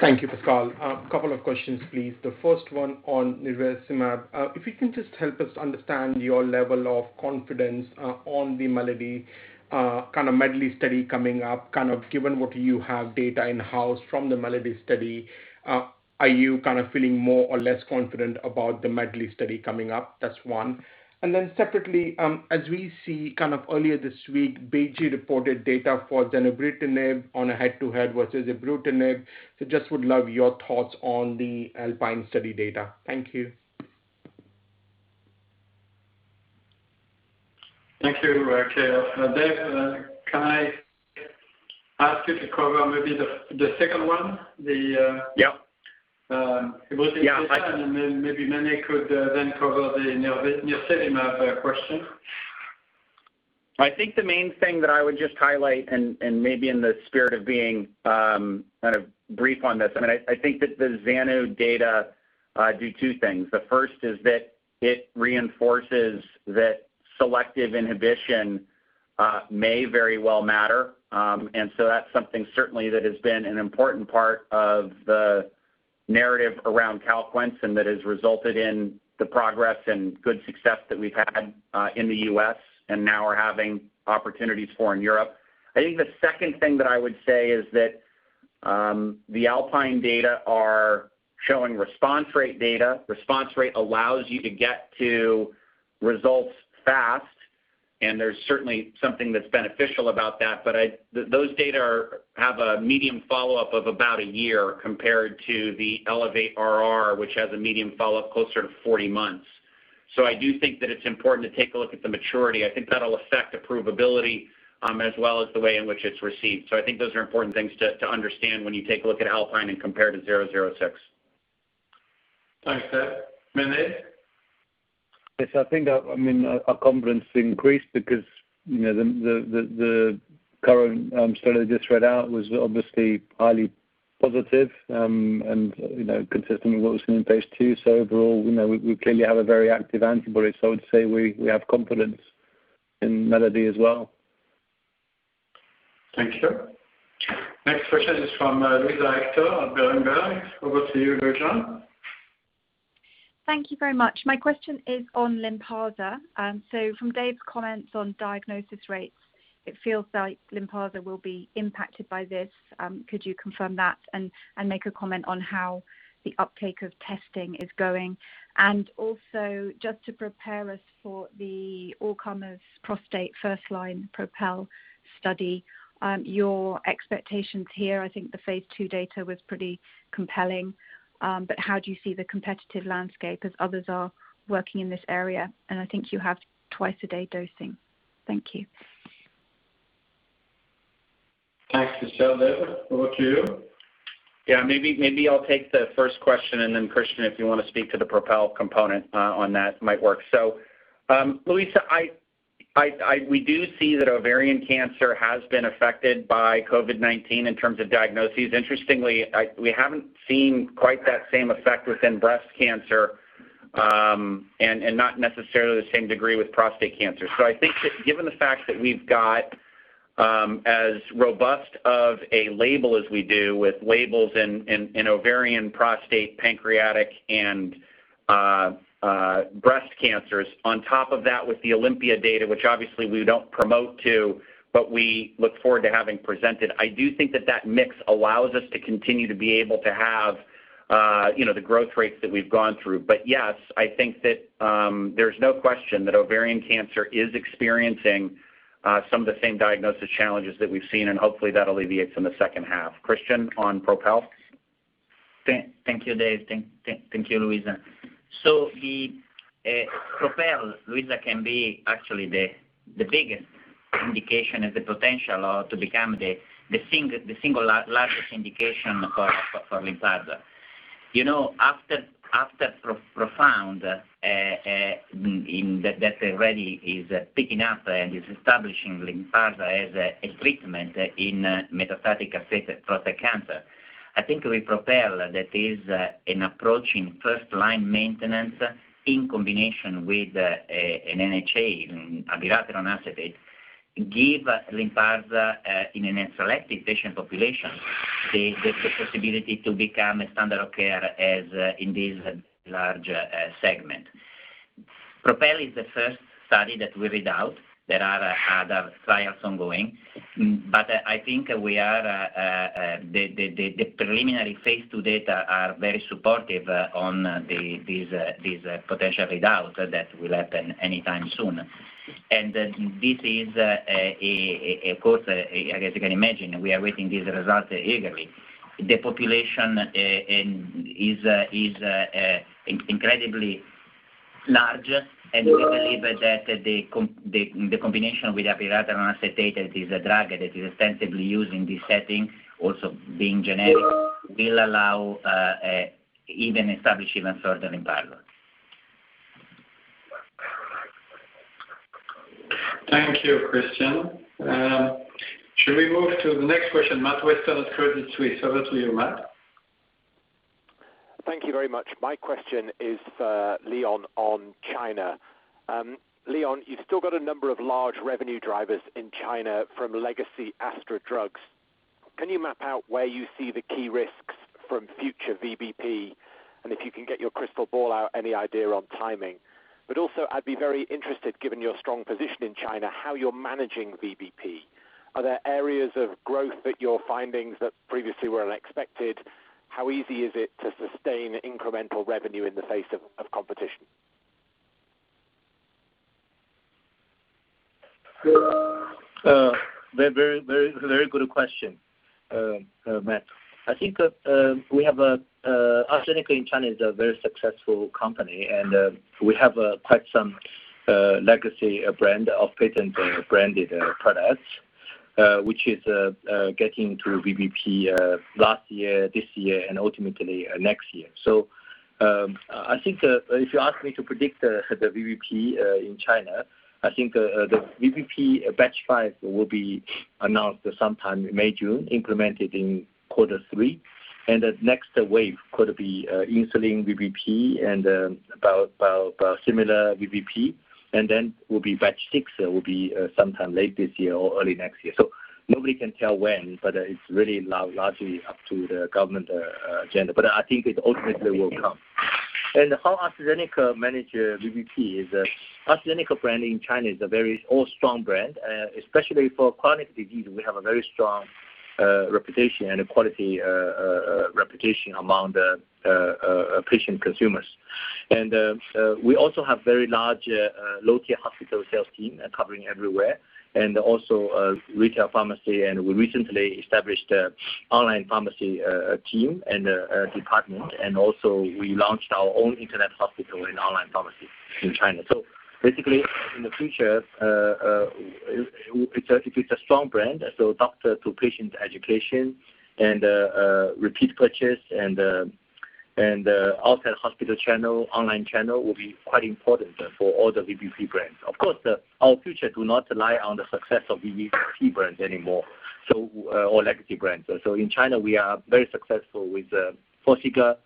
Thank you, Pascal. A couple of questions, please. The first one on nirsevimab. If you can just help us understand your level of confidence on the MELODY, kind of MEDLEY study coming up, kind of given what you have data in-house from the MELODY study, are you kind of feeling more or less confident about the MEDLEY study coming up? That's one. separately, as we see kind of earlier this week, BeiGene reported data for zanubrutinib on a head-to-head versus ibrutinib. just would love your thoughts on the ALPINE study data. Thank you. Thank you, Keyur. Dave, can I ask you to cover maybe the second one? Yeah. Maybe Mene could then cover the nirsevimab question. I think the main thing that I would just highlight, maybe in the spirit of being kind of brief on this, I think that the zanubrutinib data do two things. The first is that it reinforces that selective inhibition may very well matter. That's something certainly that has been an important part of the narrative around Calquence, and that has resulted in the progress and good success that we've had in the U.S., and now we're having opportunities for in Europe. I think the second thing that I would say is that the ALPINE data are showing response rate data. Response rate allows you to get to results fast, and there's certainly something that's beneficial about that. Those data have a medium follow-up of about a year compared to the ELEVATE-RR, which has a medium follow-up closer to 40 months. I do think that it's important to take a look at the maturity. I think that'll affect approvability, as well as the way in which it's received. I think those are important things to understand when you take a look at ALPINE and compare to 006. Thanks, Dave. Mene? Yes, I think our confidence increased because the current study just read out was obviously highly positive, and consistent with what was in phase II. Overall, we clearly have a very active antibody. I would say we have confidence in MELODY as well. Thank you. Next question is from Luisa Hector of Berenberg. Over to you, Luisa. Thank you very much. My question is on Lynparza. From Dave's comments on diagnosis rates, it feels like Lynparza will be impacted by this. Could you confirm that and make a comment on how the uptake of testing is going? Just to prepare us for the all-comers prostate first line PROPEL study, your expectations here, I think the phase II data was pretty compelling, but how do you see the competitive landscape as others are working in this area? I think you have twice-a-day dosing. Thank you. Thanks. Dave, over to you. Maybe I'll take the first question, and then Cristian, if you want to speak to the PROPEL component on that, might work. Luisa, we do see that ovarian cancer has been affected by COVID-19 in terms of diagnoses. Interestingly, we haven't seen quite that same effect within breast cancer, and not necessarily the same degree with prostate cancer. I think that given the fact that we've got as robust of a label as we do with labels in ovarian, prostate, pancreatic, and breast cancers, on top of that with the OlympiA data, which obviously we don't promote to, but we look forward to having presented. I do think that that mix allows us to continue to be able to have the growth rates that we've gone through. Yes, I think that there's no question that ovarian cancer is experiencing some of the same diagnosis challenges that we've seen, and hopefully, that alleviates in the second half. Cristian, on PROPEL? Thank you, Dave. Thank you, Luisa. The PROPEL, Luisa, can be actually the biggest indication of the potential or to become the single largest indication for Lynparza. After PROfound, that already is picking up and is establishing Lynparza as a treatment in metastatic-affected prostate cancer. I think with PROPEL, that is an approach in first-line maintenance in combination with an NHA, abiraterone acetate, give Lynparza in an selected patient population, the possibility to become a standard of care as in this large segment. PROPEL is the first study that we read out. There are other trials ongoing, I think the preliminary phase II data are very supportive on these potential readouts that will happen anytime soon. This is, of course, as you can imagine, we are waiting these results eagerly. The population is incredibly large, and we believe that the combination with abiraterone acetate, as a drug that is extensively used in this setting, also being generic, will allow even establish even further Lynparza. Thank you, Cristian. Should we move to the next question, Matt Weston at Credit Suisse? Over to you, Matt. Thank you very much. My question is for Leon on China. Leon, you've still got a number of large revenue drivers in China from legacy Astra drugs. Can you map out where you see the key risks from future VBP, and if you can get your crystal ball out, any idea on timing? Also, I'd be very interested, given your strong position in China, how you're managing VBP. Are there areas of growth that you're finding that previously were unexpected? How easy is it to sustain incremental revenue in the face of competition? Very good question, Matt. I think AstraZeneca in China is a very successful company, and we have quite some legacy brand of patent-branded products, which is getting through VBP last year, this year, and ultimately next year. I think if you ask me to predict the VBP in China, I think the VBP batch five will be announced sometime May, June, implemented in quarter three, and the next wave could be insulin VBP and about similar VBP, and then will be batch six will be sometime late this year or early next year. Nobody can tell when, but it's really largely up to the government agenda. I think it ultimately will come. How AstraZeneca manage VBP is AstraZeneca brand in China is a very old, strong brand, especially for chronic disease, we have a very strong reputation and a quality reputation among the patient consumers. We also have very large local hospital sales team covering everywhere, and also a retail pharmacy, and we recently established a online pharmacy team and a department, and also we launched our own internet hospital and online pharmacy in China. Basically, in the future, it's a strong brand, so doctor-to-patient education and repeat purchase and the outside hospital channel, online channel will be quite important for all the VBP brands. Of course, our future do not rely on the success of VBP brands anymore, or legacy brands. In China, we are very successful with Forxiga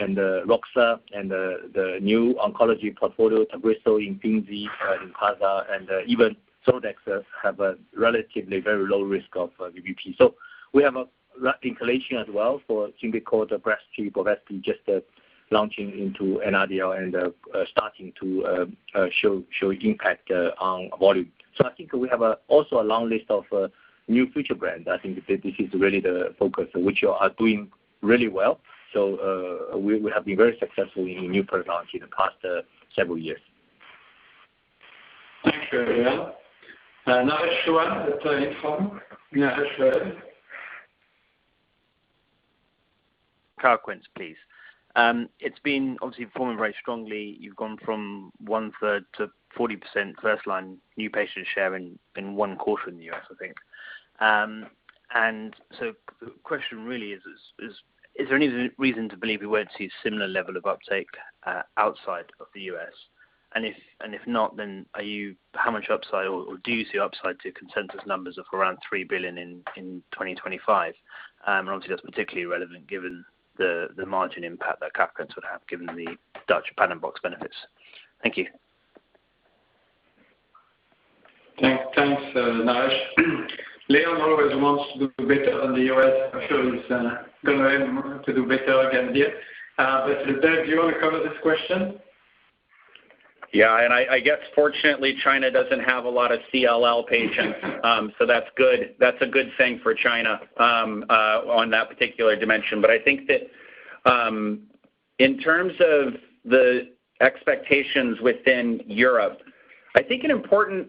and Roxa and the new oncology portfolio, TAGRISSO, IMFINZI, and Lynparza, and even Zoladex have a relatively very low risk of VBP. We have a ramp inclination as well for SYMBICORT, Breztri, Bevespi Aerosphere, just launching into NRDL and starting to show impact on volume. I think we have also a long list of new future brands. I think that this is really the focus, which are doing really well. We have been very successful in new product launch in the past several years. Thanks, Leon. Naresh Chouhan at Intron. Naresh Chouhan. Calquence, please. It's been obviously performing very strongly. You've gone from one third to 40% first line new patient share in one quarter in the U.S., I think. The question really is there any reason to believe we won't see a similar level of uptake outside of the U.S.? If not, then how much upside, or do you see upside to consensus numbers of around $3 billion in 2025? Obviously, that's particularly relevant given the margin impact that Calquence would have given the Dutch patent box benefits. Thank you. Thanks. Naresh. Leon always wants to do better than the U.S. I'm sure he's going to want to do better again here. Dave, do you want to cover this question? Yeah, I guess fortunately, China doesn't have a lot of CLL patients, so that's good. That's a good thing for China on that particular dimension. I think that in terms of the expectations within Europe, I think an important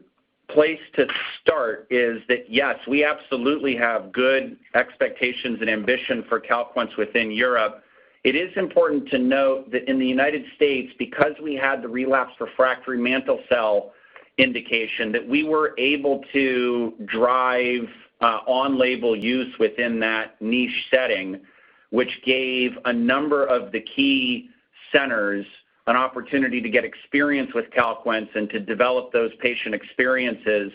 place to start is that, yes, we absolutely have good expectations and ambition for Calquence within Europe. It is important to note that in the United States, because we had the relapse refractory mantle cell indication, that we were able to drive on-label use within that niche setting, which gave a number of the key centers an opportunity to get experience with Calquence and to develop those patient experiences,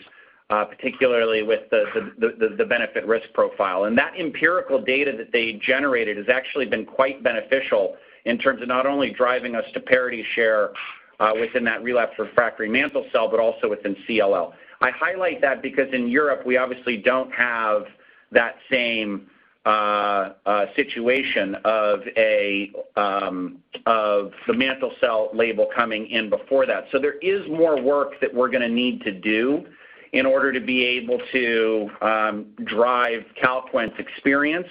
particularly with the benefit risk profile. That empirical data that they generated has actually been quite beneficial in terms of not only driving us to parity share within that relapse refractory mantle cell, but also within CLL. I highlight that because in Europe we obviously don't have that same situation of the mantle cell label coming in before that. There is more work that we're going to need to do in order to be able to drive Calquence experience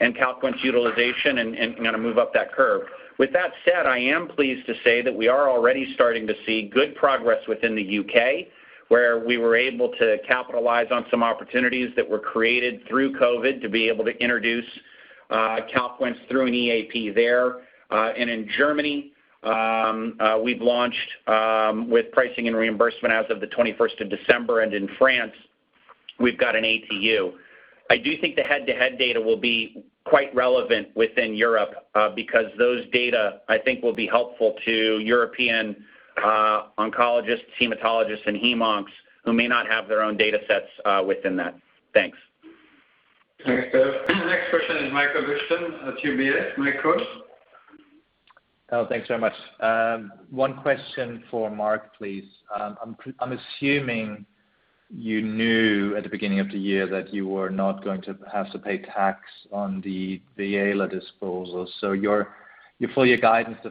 and Calquence utilization and move up that curve. With that said, I am pleased to say that we are already starting to see good progress within the U.K., where we were able to capitalize on some opportunities that were created through COVID to be able to introduce Calquence through an EAP there. In Germany, we've launched with pricing and reimbursement as of the 21st of December. In France, we've got an ATU. I do think the head-to-head data will be quite relevant within Europe because those data, I think, will be helpful to European oncologists, hematologists, and hemoncs who may not have their own data sets within that. Thanks. Thanks, Dave. The next question is Michael Leuchten at UBS. Michael? Thanks very much. One question for Marc, please. I'm assuming you knew at the beginning of the year that you were not going to have to pay tax on the Viela disposals. For your guidance to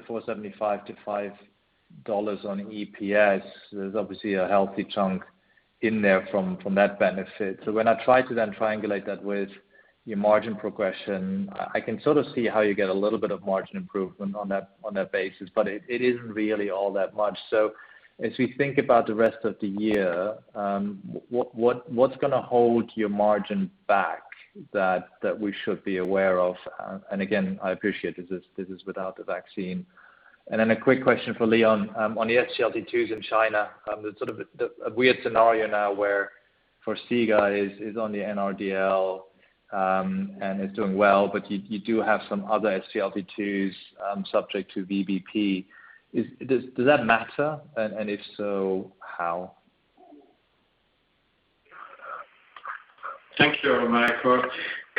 $4.75-$5 on EPS, there's obviously a healthy chunk in there from that benefit. When I try to then triangulate that with your margin progression, I can sort of see how you get a little bit of margin improvement on that basis, but it isn't really all that much. As we think about the rest of the year, what's going to hold your margin back that we should be aware of? Again, I appreciate this is without the vaccine. A quick question for Leon Wang on the SGLT2s in China. The sort of a weird scenario now where Forxiga is on the NRDL, and it's doing well, but you do have some other SGLT2s subject to VBP. Does that matter, and if so, how? Thank you, Michael.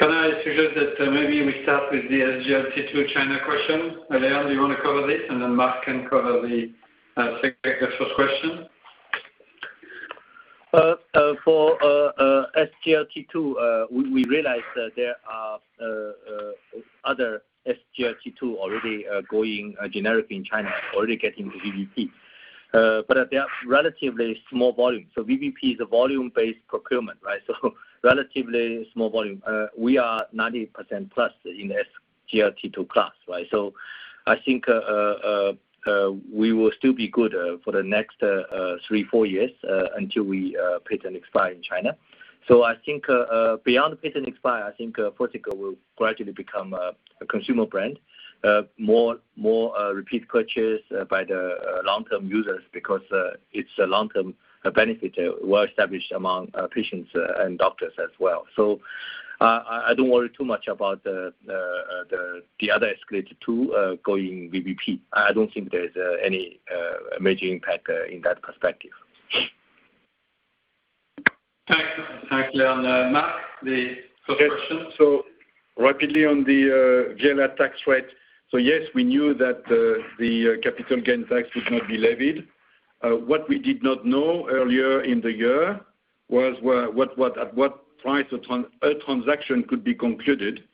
Can I suggest that maybe we start with the SGLT2 China question? Leon, do you want to cover this? Then Marc can cover the second question. For SGLT2, we realize that there are other SGLT2 already going generic in China, already getting VBP. They are relatively small volume. VBP is a volume-based procurement, right? Relatively small volume. We are 90%+ in SGLT2 class. I think we will still be good for the next three, four years until we patent expire in China. I think beyond patent expire, Forxiga will gradually become a consumer brand. More repeat purchase by the long-term users because it's a long-term benefit well established among patients and doctors as well. I don't worry too much about the other SGLT2 going VBP. I don't think there's any major impact in that perspective. Thanks, Leon. Mark, the first question. Rapidly on the GLR tax rate. Yes, we knew that the capital gains tax would not be levied. What we did not know earlier in the year was at what price a transaction could be concluded.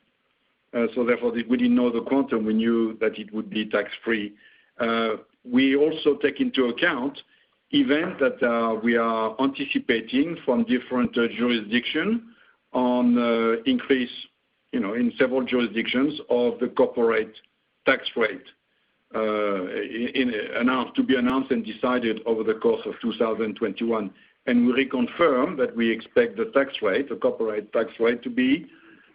Therefore, we didn't know the quantum. We knew that it would be tax-free. We also take into account events that we are anticipating from different jurisdictions on increase in several jurisdictions of the corporate tax rate to be announced and decided over the course of 2021. We reconfirm that we expect the tax rate, the corporate tax rate, to be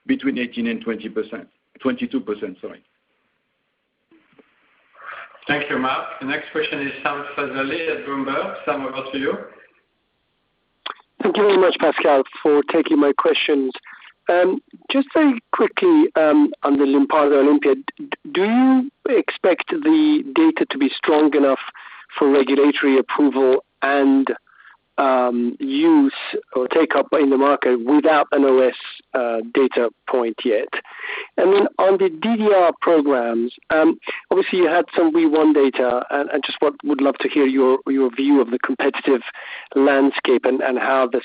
between 18%-20%. 22%, sorry. Thank you, Mark. The next question is Sam Fazeli at Bloomberg. Sam, over to you. Thank you very much, Pascal, for taking my questions. Very quickly on the Lynparza OlympiA, do you expect the data to be strong enough for regulatory approval and use or take up in the market without an OS data point yet? On the DDR programs, obviously you had some WEE1 data and would love to hear your view of the competitive landscape and how this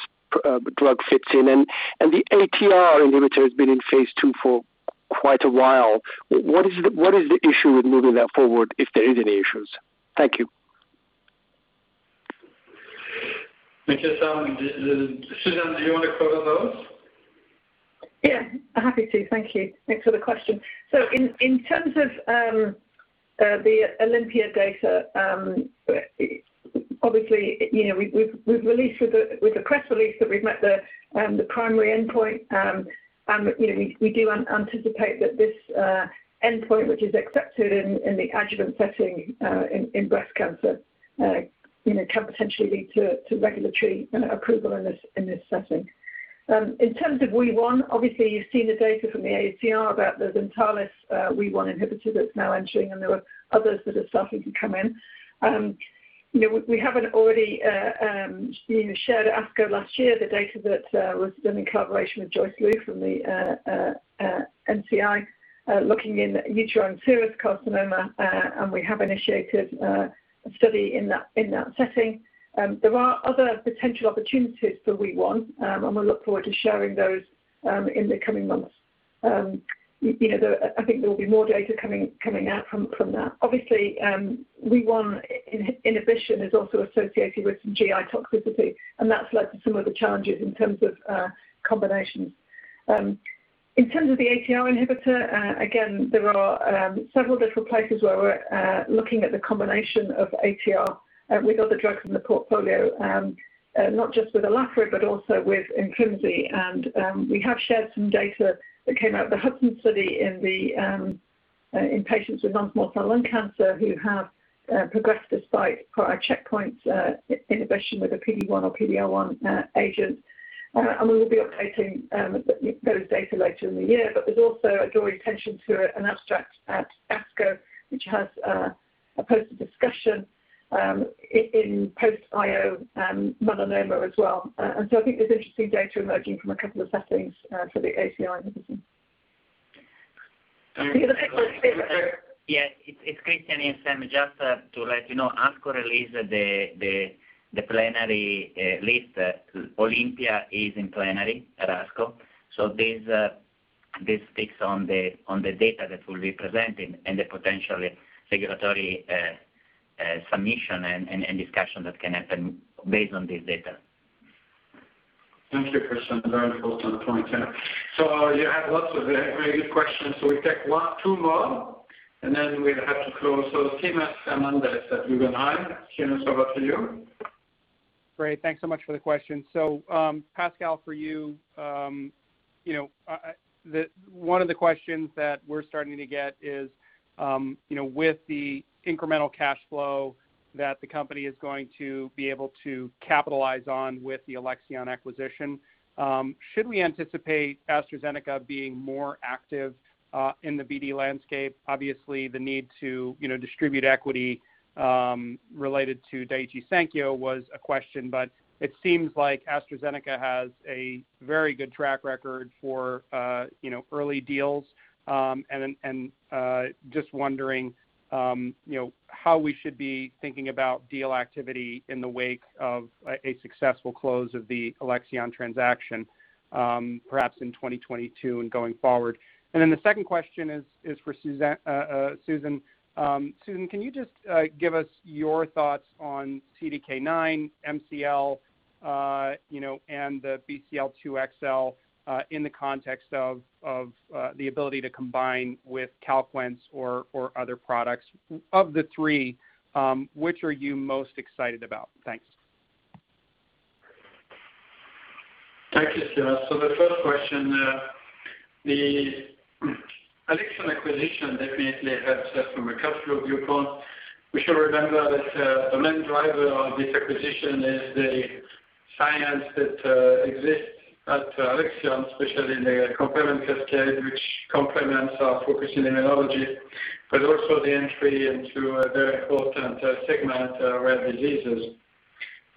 drug fits in. The ATR inhibitor has been in phase II for quite a while. What is the issue with moving that forward, if there is any issues? Thank you. Thank you, Sam. Susan, do you want to cover those? Yeah, happy to. Thank you. Thanks for the question. In terms of the OlympiA data, obviously, we've released with the press release that we've met the primary endpoint. We do anticipate that this endpoint, which is accepted in the adjuvant setting in breast cancer, can potentially lead to regulatory approval in this setting. In terms of WEE1, obviously you've seen the data from the ATR about the Zentalis WEE1 inhibitor that's now entering, and there are others that are starting to come in. We haven't already shared at ASCO last year the data that was done in collaboration with Joyce Liu from the NCI, looking in uterine serous carcinoma, and we have initiated a study in that setting. There are other potential opportunities for WEE1, and we look forward to sharing those in the coming months. I think there will be more data coming out from that. Obviously, WEE1 inhibition is also associated with some GI toxicity, that's led to some of the challenges in terms of combinations. In terms of the ATR inhibitor, again, there are several different places where we're looking at the combination of ATR with other drugs in the portfolio, not just with olaparib but also with IMFINZI. We have shared some data that came out of the HUDSON study in patients with non-small cell lung cancer who have progressed despite prior checkpoint inhibition with a PD-1 or PD-L1 agent. We will be updating those data later in the year. There's also a drawing attention to an abstract at ASCO, which has a poster discussion in post-IO melanoma as well. I think there's interesting data emerging from a couple of settings for the ATR mechanism. Go ahead. Yeah, it's Cristian. Sam, just to let you know, ASCO released the plenary list. OlympiA is in plenary at ASCO. This speaks on the data that will be presented and the potential regulatory submission and discussion that can happen based on this data. Thank you, Cristian. Very important point. You have lots of very good questions. We take one, two more, and then we'll have to close. Seamus Fernandez at Guggenheim Securities. Seamus, it's over to you. Great. Thanks so much for the question. Pascal, for you. One of the questions that we're starting to get is, with the incremental cash flow that the company is going to be able to capitalize on with the Alexion acquisition, should we anticipate AstraZeneca being more active in the BD landscape? Obviously, the need to distribute equity related to Daiichi Sankyo was a question, it seems like AstraZeneca has a very good track record for early deals. Just wondering how we should be thinking about deal activity in the wake of a successful close of the Alexion transaction perhaps in 2022 and going forward. The second question is for Susan. Susan, can you just give us your thoughts on CDK9, MCL, and the BCL-xL in the context of the ability to combine with Calquence or other products. Of the three, which are you most excited about? Thanks. Thank you, Seamus. The first question, the Alexion acquisition definitely helps us from a cash flow viewpoint. We should remember that the main driver of this acquisition is the science that exists at Alexion, especially in the complement cascade, which complements our focus in immunology, but also the entry into a very important segment of rare diseases.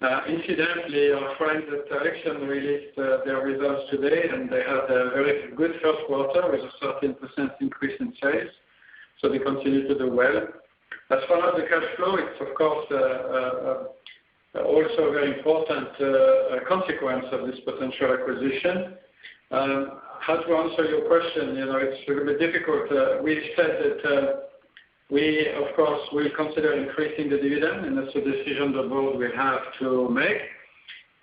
Now, incidentally, our friends at Alexion released their results today, and they had a very good first quarter with a 13% increase in sales. They continue to do well. As far as the cash flow, it's of course, also a very important consequence of this potential acquisition. How to answer your question, it's a little bit difficult. We've said that we, of course, will consider increasing the dividend, and that's a decision the board will have to make.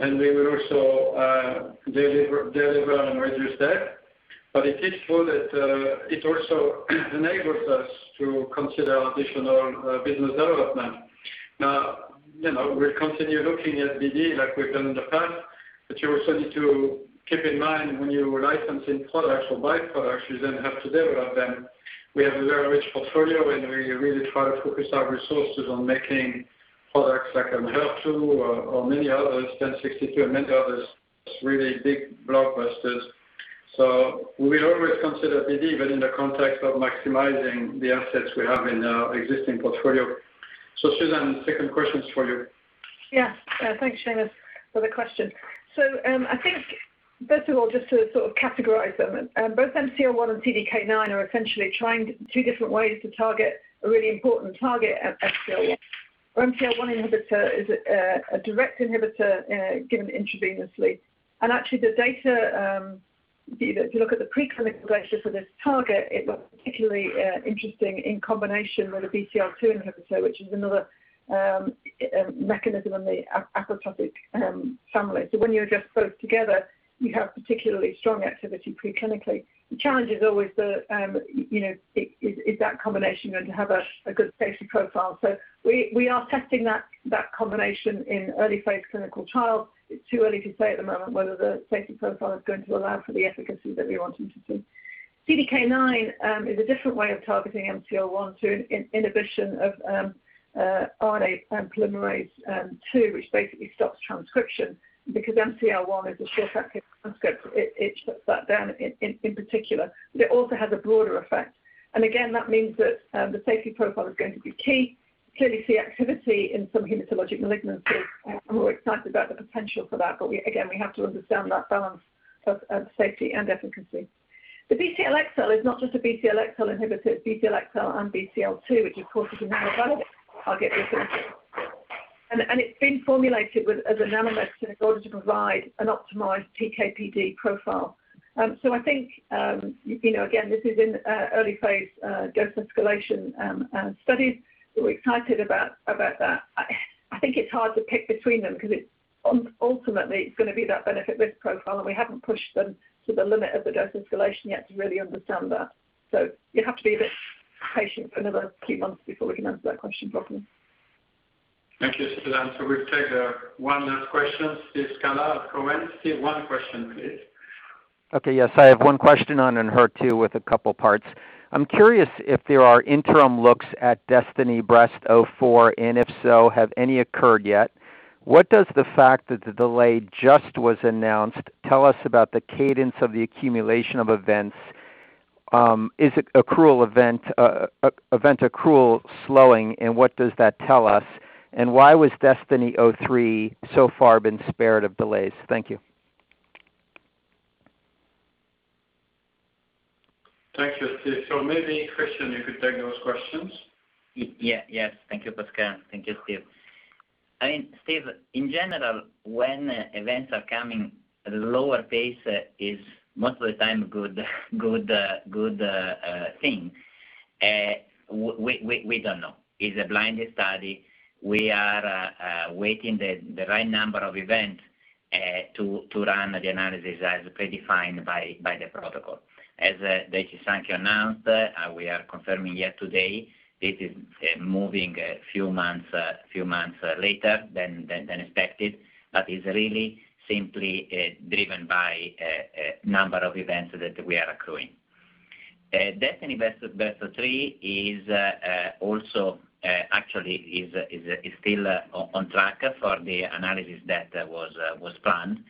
We will also deliver and reduce debt. It is true that it also enables us to consider additional business development. Now, we'll continue looking at BD like we've done in the past. You also need to keep in mind when you are licensing products or buy products, you then have to develop them. We have a very rich portfolio, and we really try to focus our resources on making products like HER2 or many others, 1062 and many others, really big blockbusters. We always consider BD, but in the context of maximizing the assets we have in our existing portfolio. Susan, second question's for you. Yeah. Thanks, Seamus, for the question. I think, first of all, just to sort of categorize them, both MCL-1 and CDK9 are essentially trying two different ways to target a really important target at MCL-1. Our MCL-1 inhibitor is a direct inhibitor given intravenously. Actually, the data, if you look at the preclinical data for this target, it looks particularly interesting in combination with a BCL-2 inhibitor, which is another mechanism in the apoptotic family. When you address both together, you have particularly strong activity preclinically. The challenge is always that, is that combination going to have a good safety profile? We are testing that combination in early phase clinical trials. It's too early to say at the moment whether the safety profile is going to allow for the efficacy that we're wanting to see. CDK9 is a different way of targeting MCL-1 through inhibition of RNA polymerase II, which basically stops transcription. MCL-1 is a short-active transcript, it shuts that down in particular. It also has a broader effect. Again, that means that the safety profile is going to be key. Clearly, we see activity in some hematologic malignancies, and we're excited about the potential for that. Again, we have to understand that balance of safety and efficacy. The BCL-xL is not just a BCL-xL inhibitor. It's BCL-xL and BCL-2, which of course is a more broad target. It's been formulated as a nanomedicine in order to provide an optimized PK/PD profile. I think, again, this is in early phase dose escalation studies. We're excited about that. I think it's hard to pick between them because ultimately, it's going to be that benefit risk profile, and we haven't pushed them to the limit of the dose escalation yet to really understand that. You have to be a bit patient for another few months before we can answer that question properly. Thank you, Susan. We'll take one last question. Steve Scala at Cowen. Steve, one question, please. Okay. Yes, I have one question on HER2 with a couple parts. I'm curious if there are interim looks at DESTINY-Breast04, and if so, have any occurred yet? What does the fact that the delay just was announced tell us about the cadence of the accumulation of events? Is it event accrual slowing, and what does that tell us? Why was DESTINY-Breast03 so far been spared of delays? Thank you. Thank you, Steve. Maybe Cristian, you could take those questions. Yes. Thank you, Pascal. Thank you, Steve. Steve, in general, when events are coming at a lower pace is most of the time a good thing. We don't know. It's a blinded study. We are waiting the right number of events to run the analysis as predefined by the protocol. As Daiichi Sankyo announced, we are confirming here today, it is moving a few months later than expected, is really simply driven by number of events that we are accruing. DESTINY-Breast03 also actually is still on track for the analysis that was planned.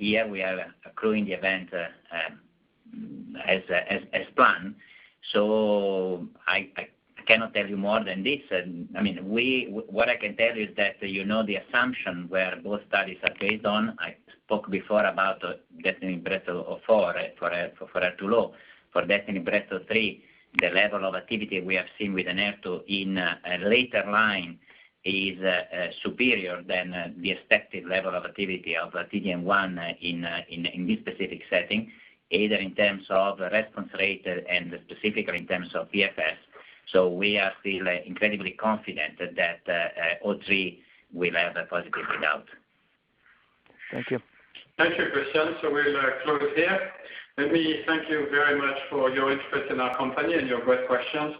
Here we are accruing the event as planned. I cannot tell you more than this. What I can tell you is that you know the assumption where both studies are based on. I spoke before about DESTINY-Breast04 for HER2-low. For DESTINY-Breast03, the level of activity we have seen with Enhertu in a later line is superior than the expected level of activity of T-DM1 in this specific setting, either in terms of response rate and specifically in terms of PFS. We are still incredibly confident that 03 will have a positive readout. Thank you. Thank you, Cristian. We'll close here. Let me thank you very much for your interest in our company and your great questions.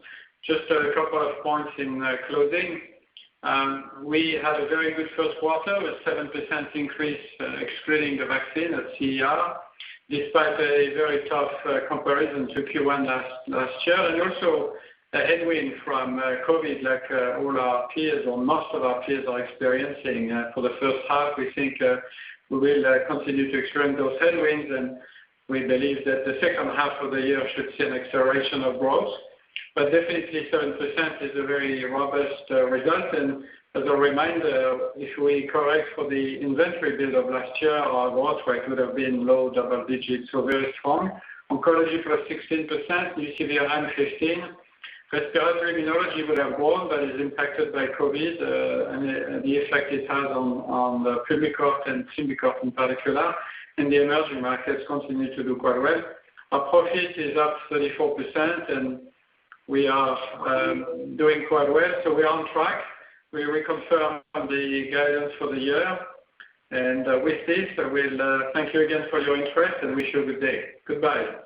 Just a couple of points in closing. We had a very good first quarter with 7% increase, excluding the vaccine at CER, despite a very tough comparison to Q1 last year, and also a headwind from COVID, like all our peers or most of our peers are experiencing. For the first half, we think we will continue to experience those headwinds, and we believe that the second half of the year should see an acceleration of growth. Definitely, 7% is a very robust result. As a reminder, if we correct for the inventory build of last year, our growth rate would have been low double digits, so very strong. Oncology +16%, UCV around 15. Respiratory and Immunology would have grown, but is impacted by COVID and the effect it has on Pulmicort and Symbicort in particular. The emerging markets continue to do quite well. Our profit is up 34%, and we are doing quite well. We are on track. We reconfirm the guidance for the year. With this, I will thank you again for your interest and wish you a good day. Goodbye.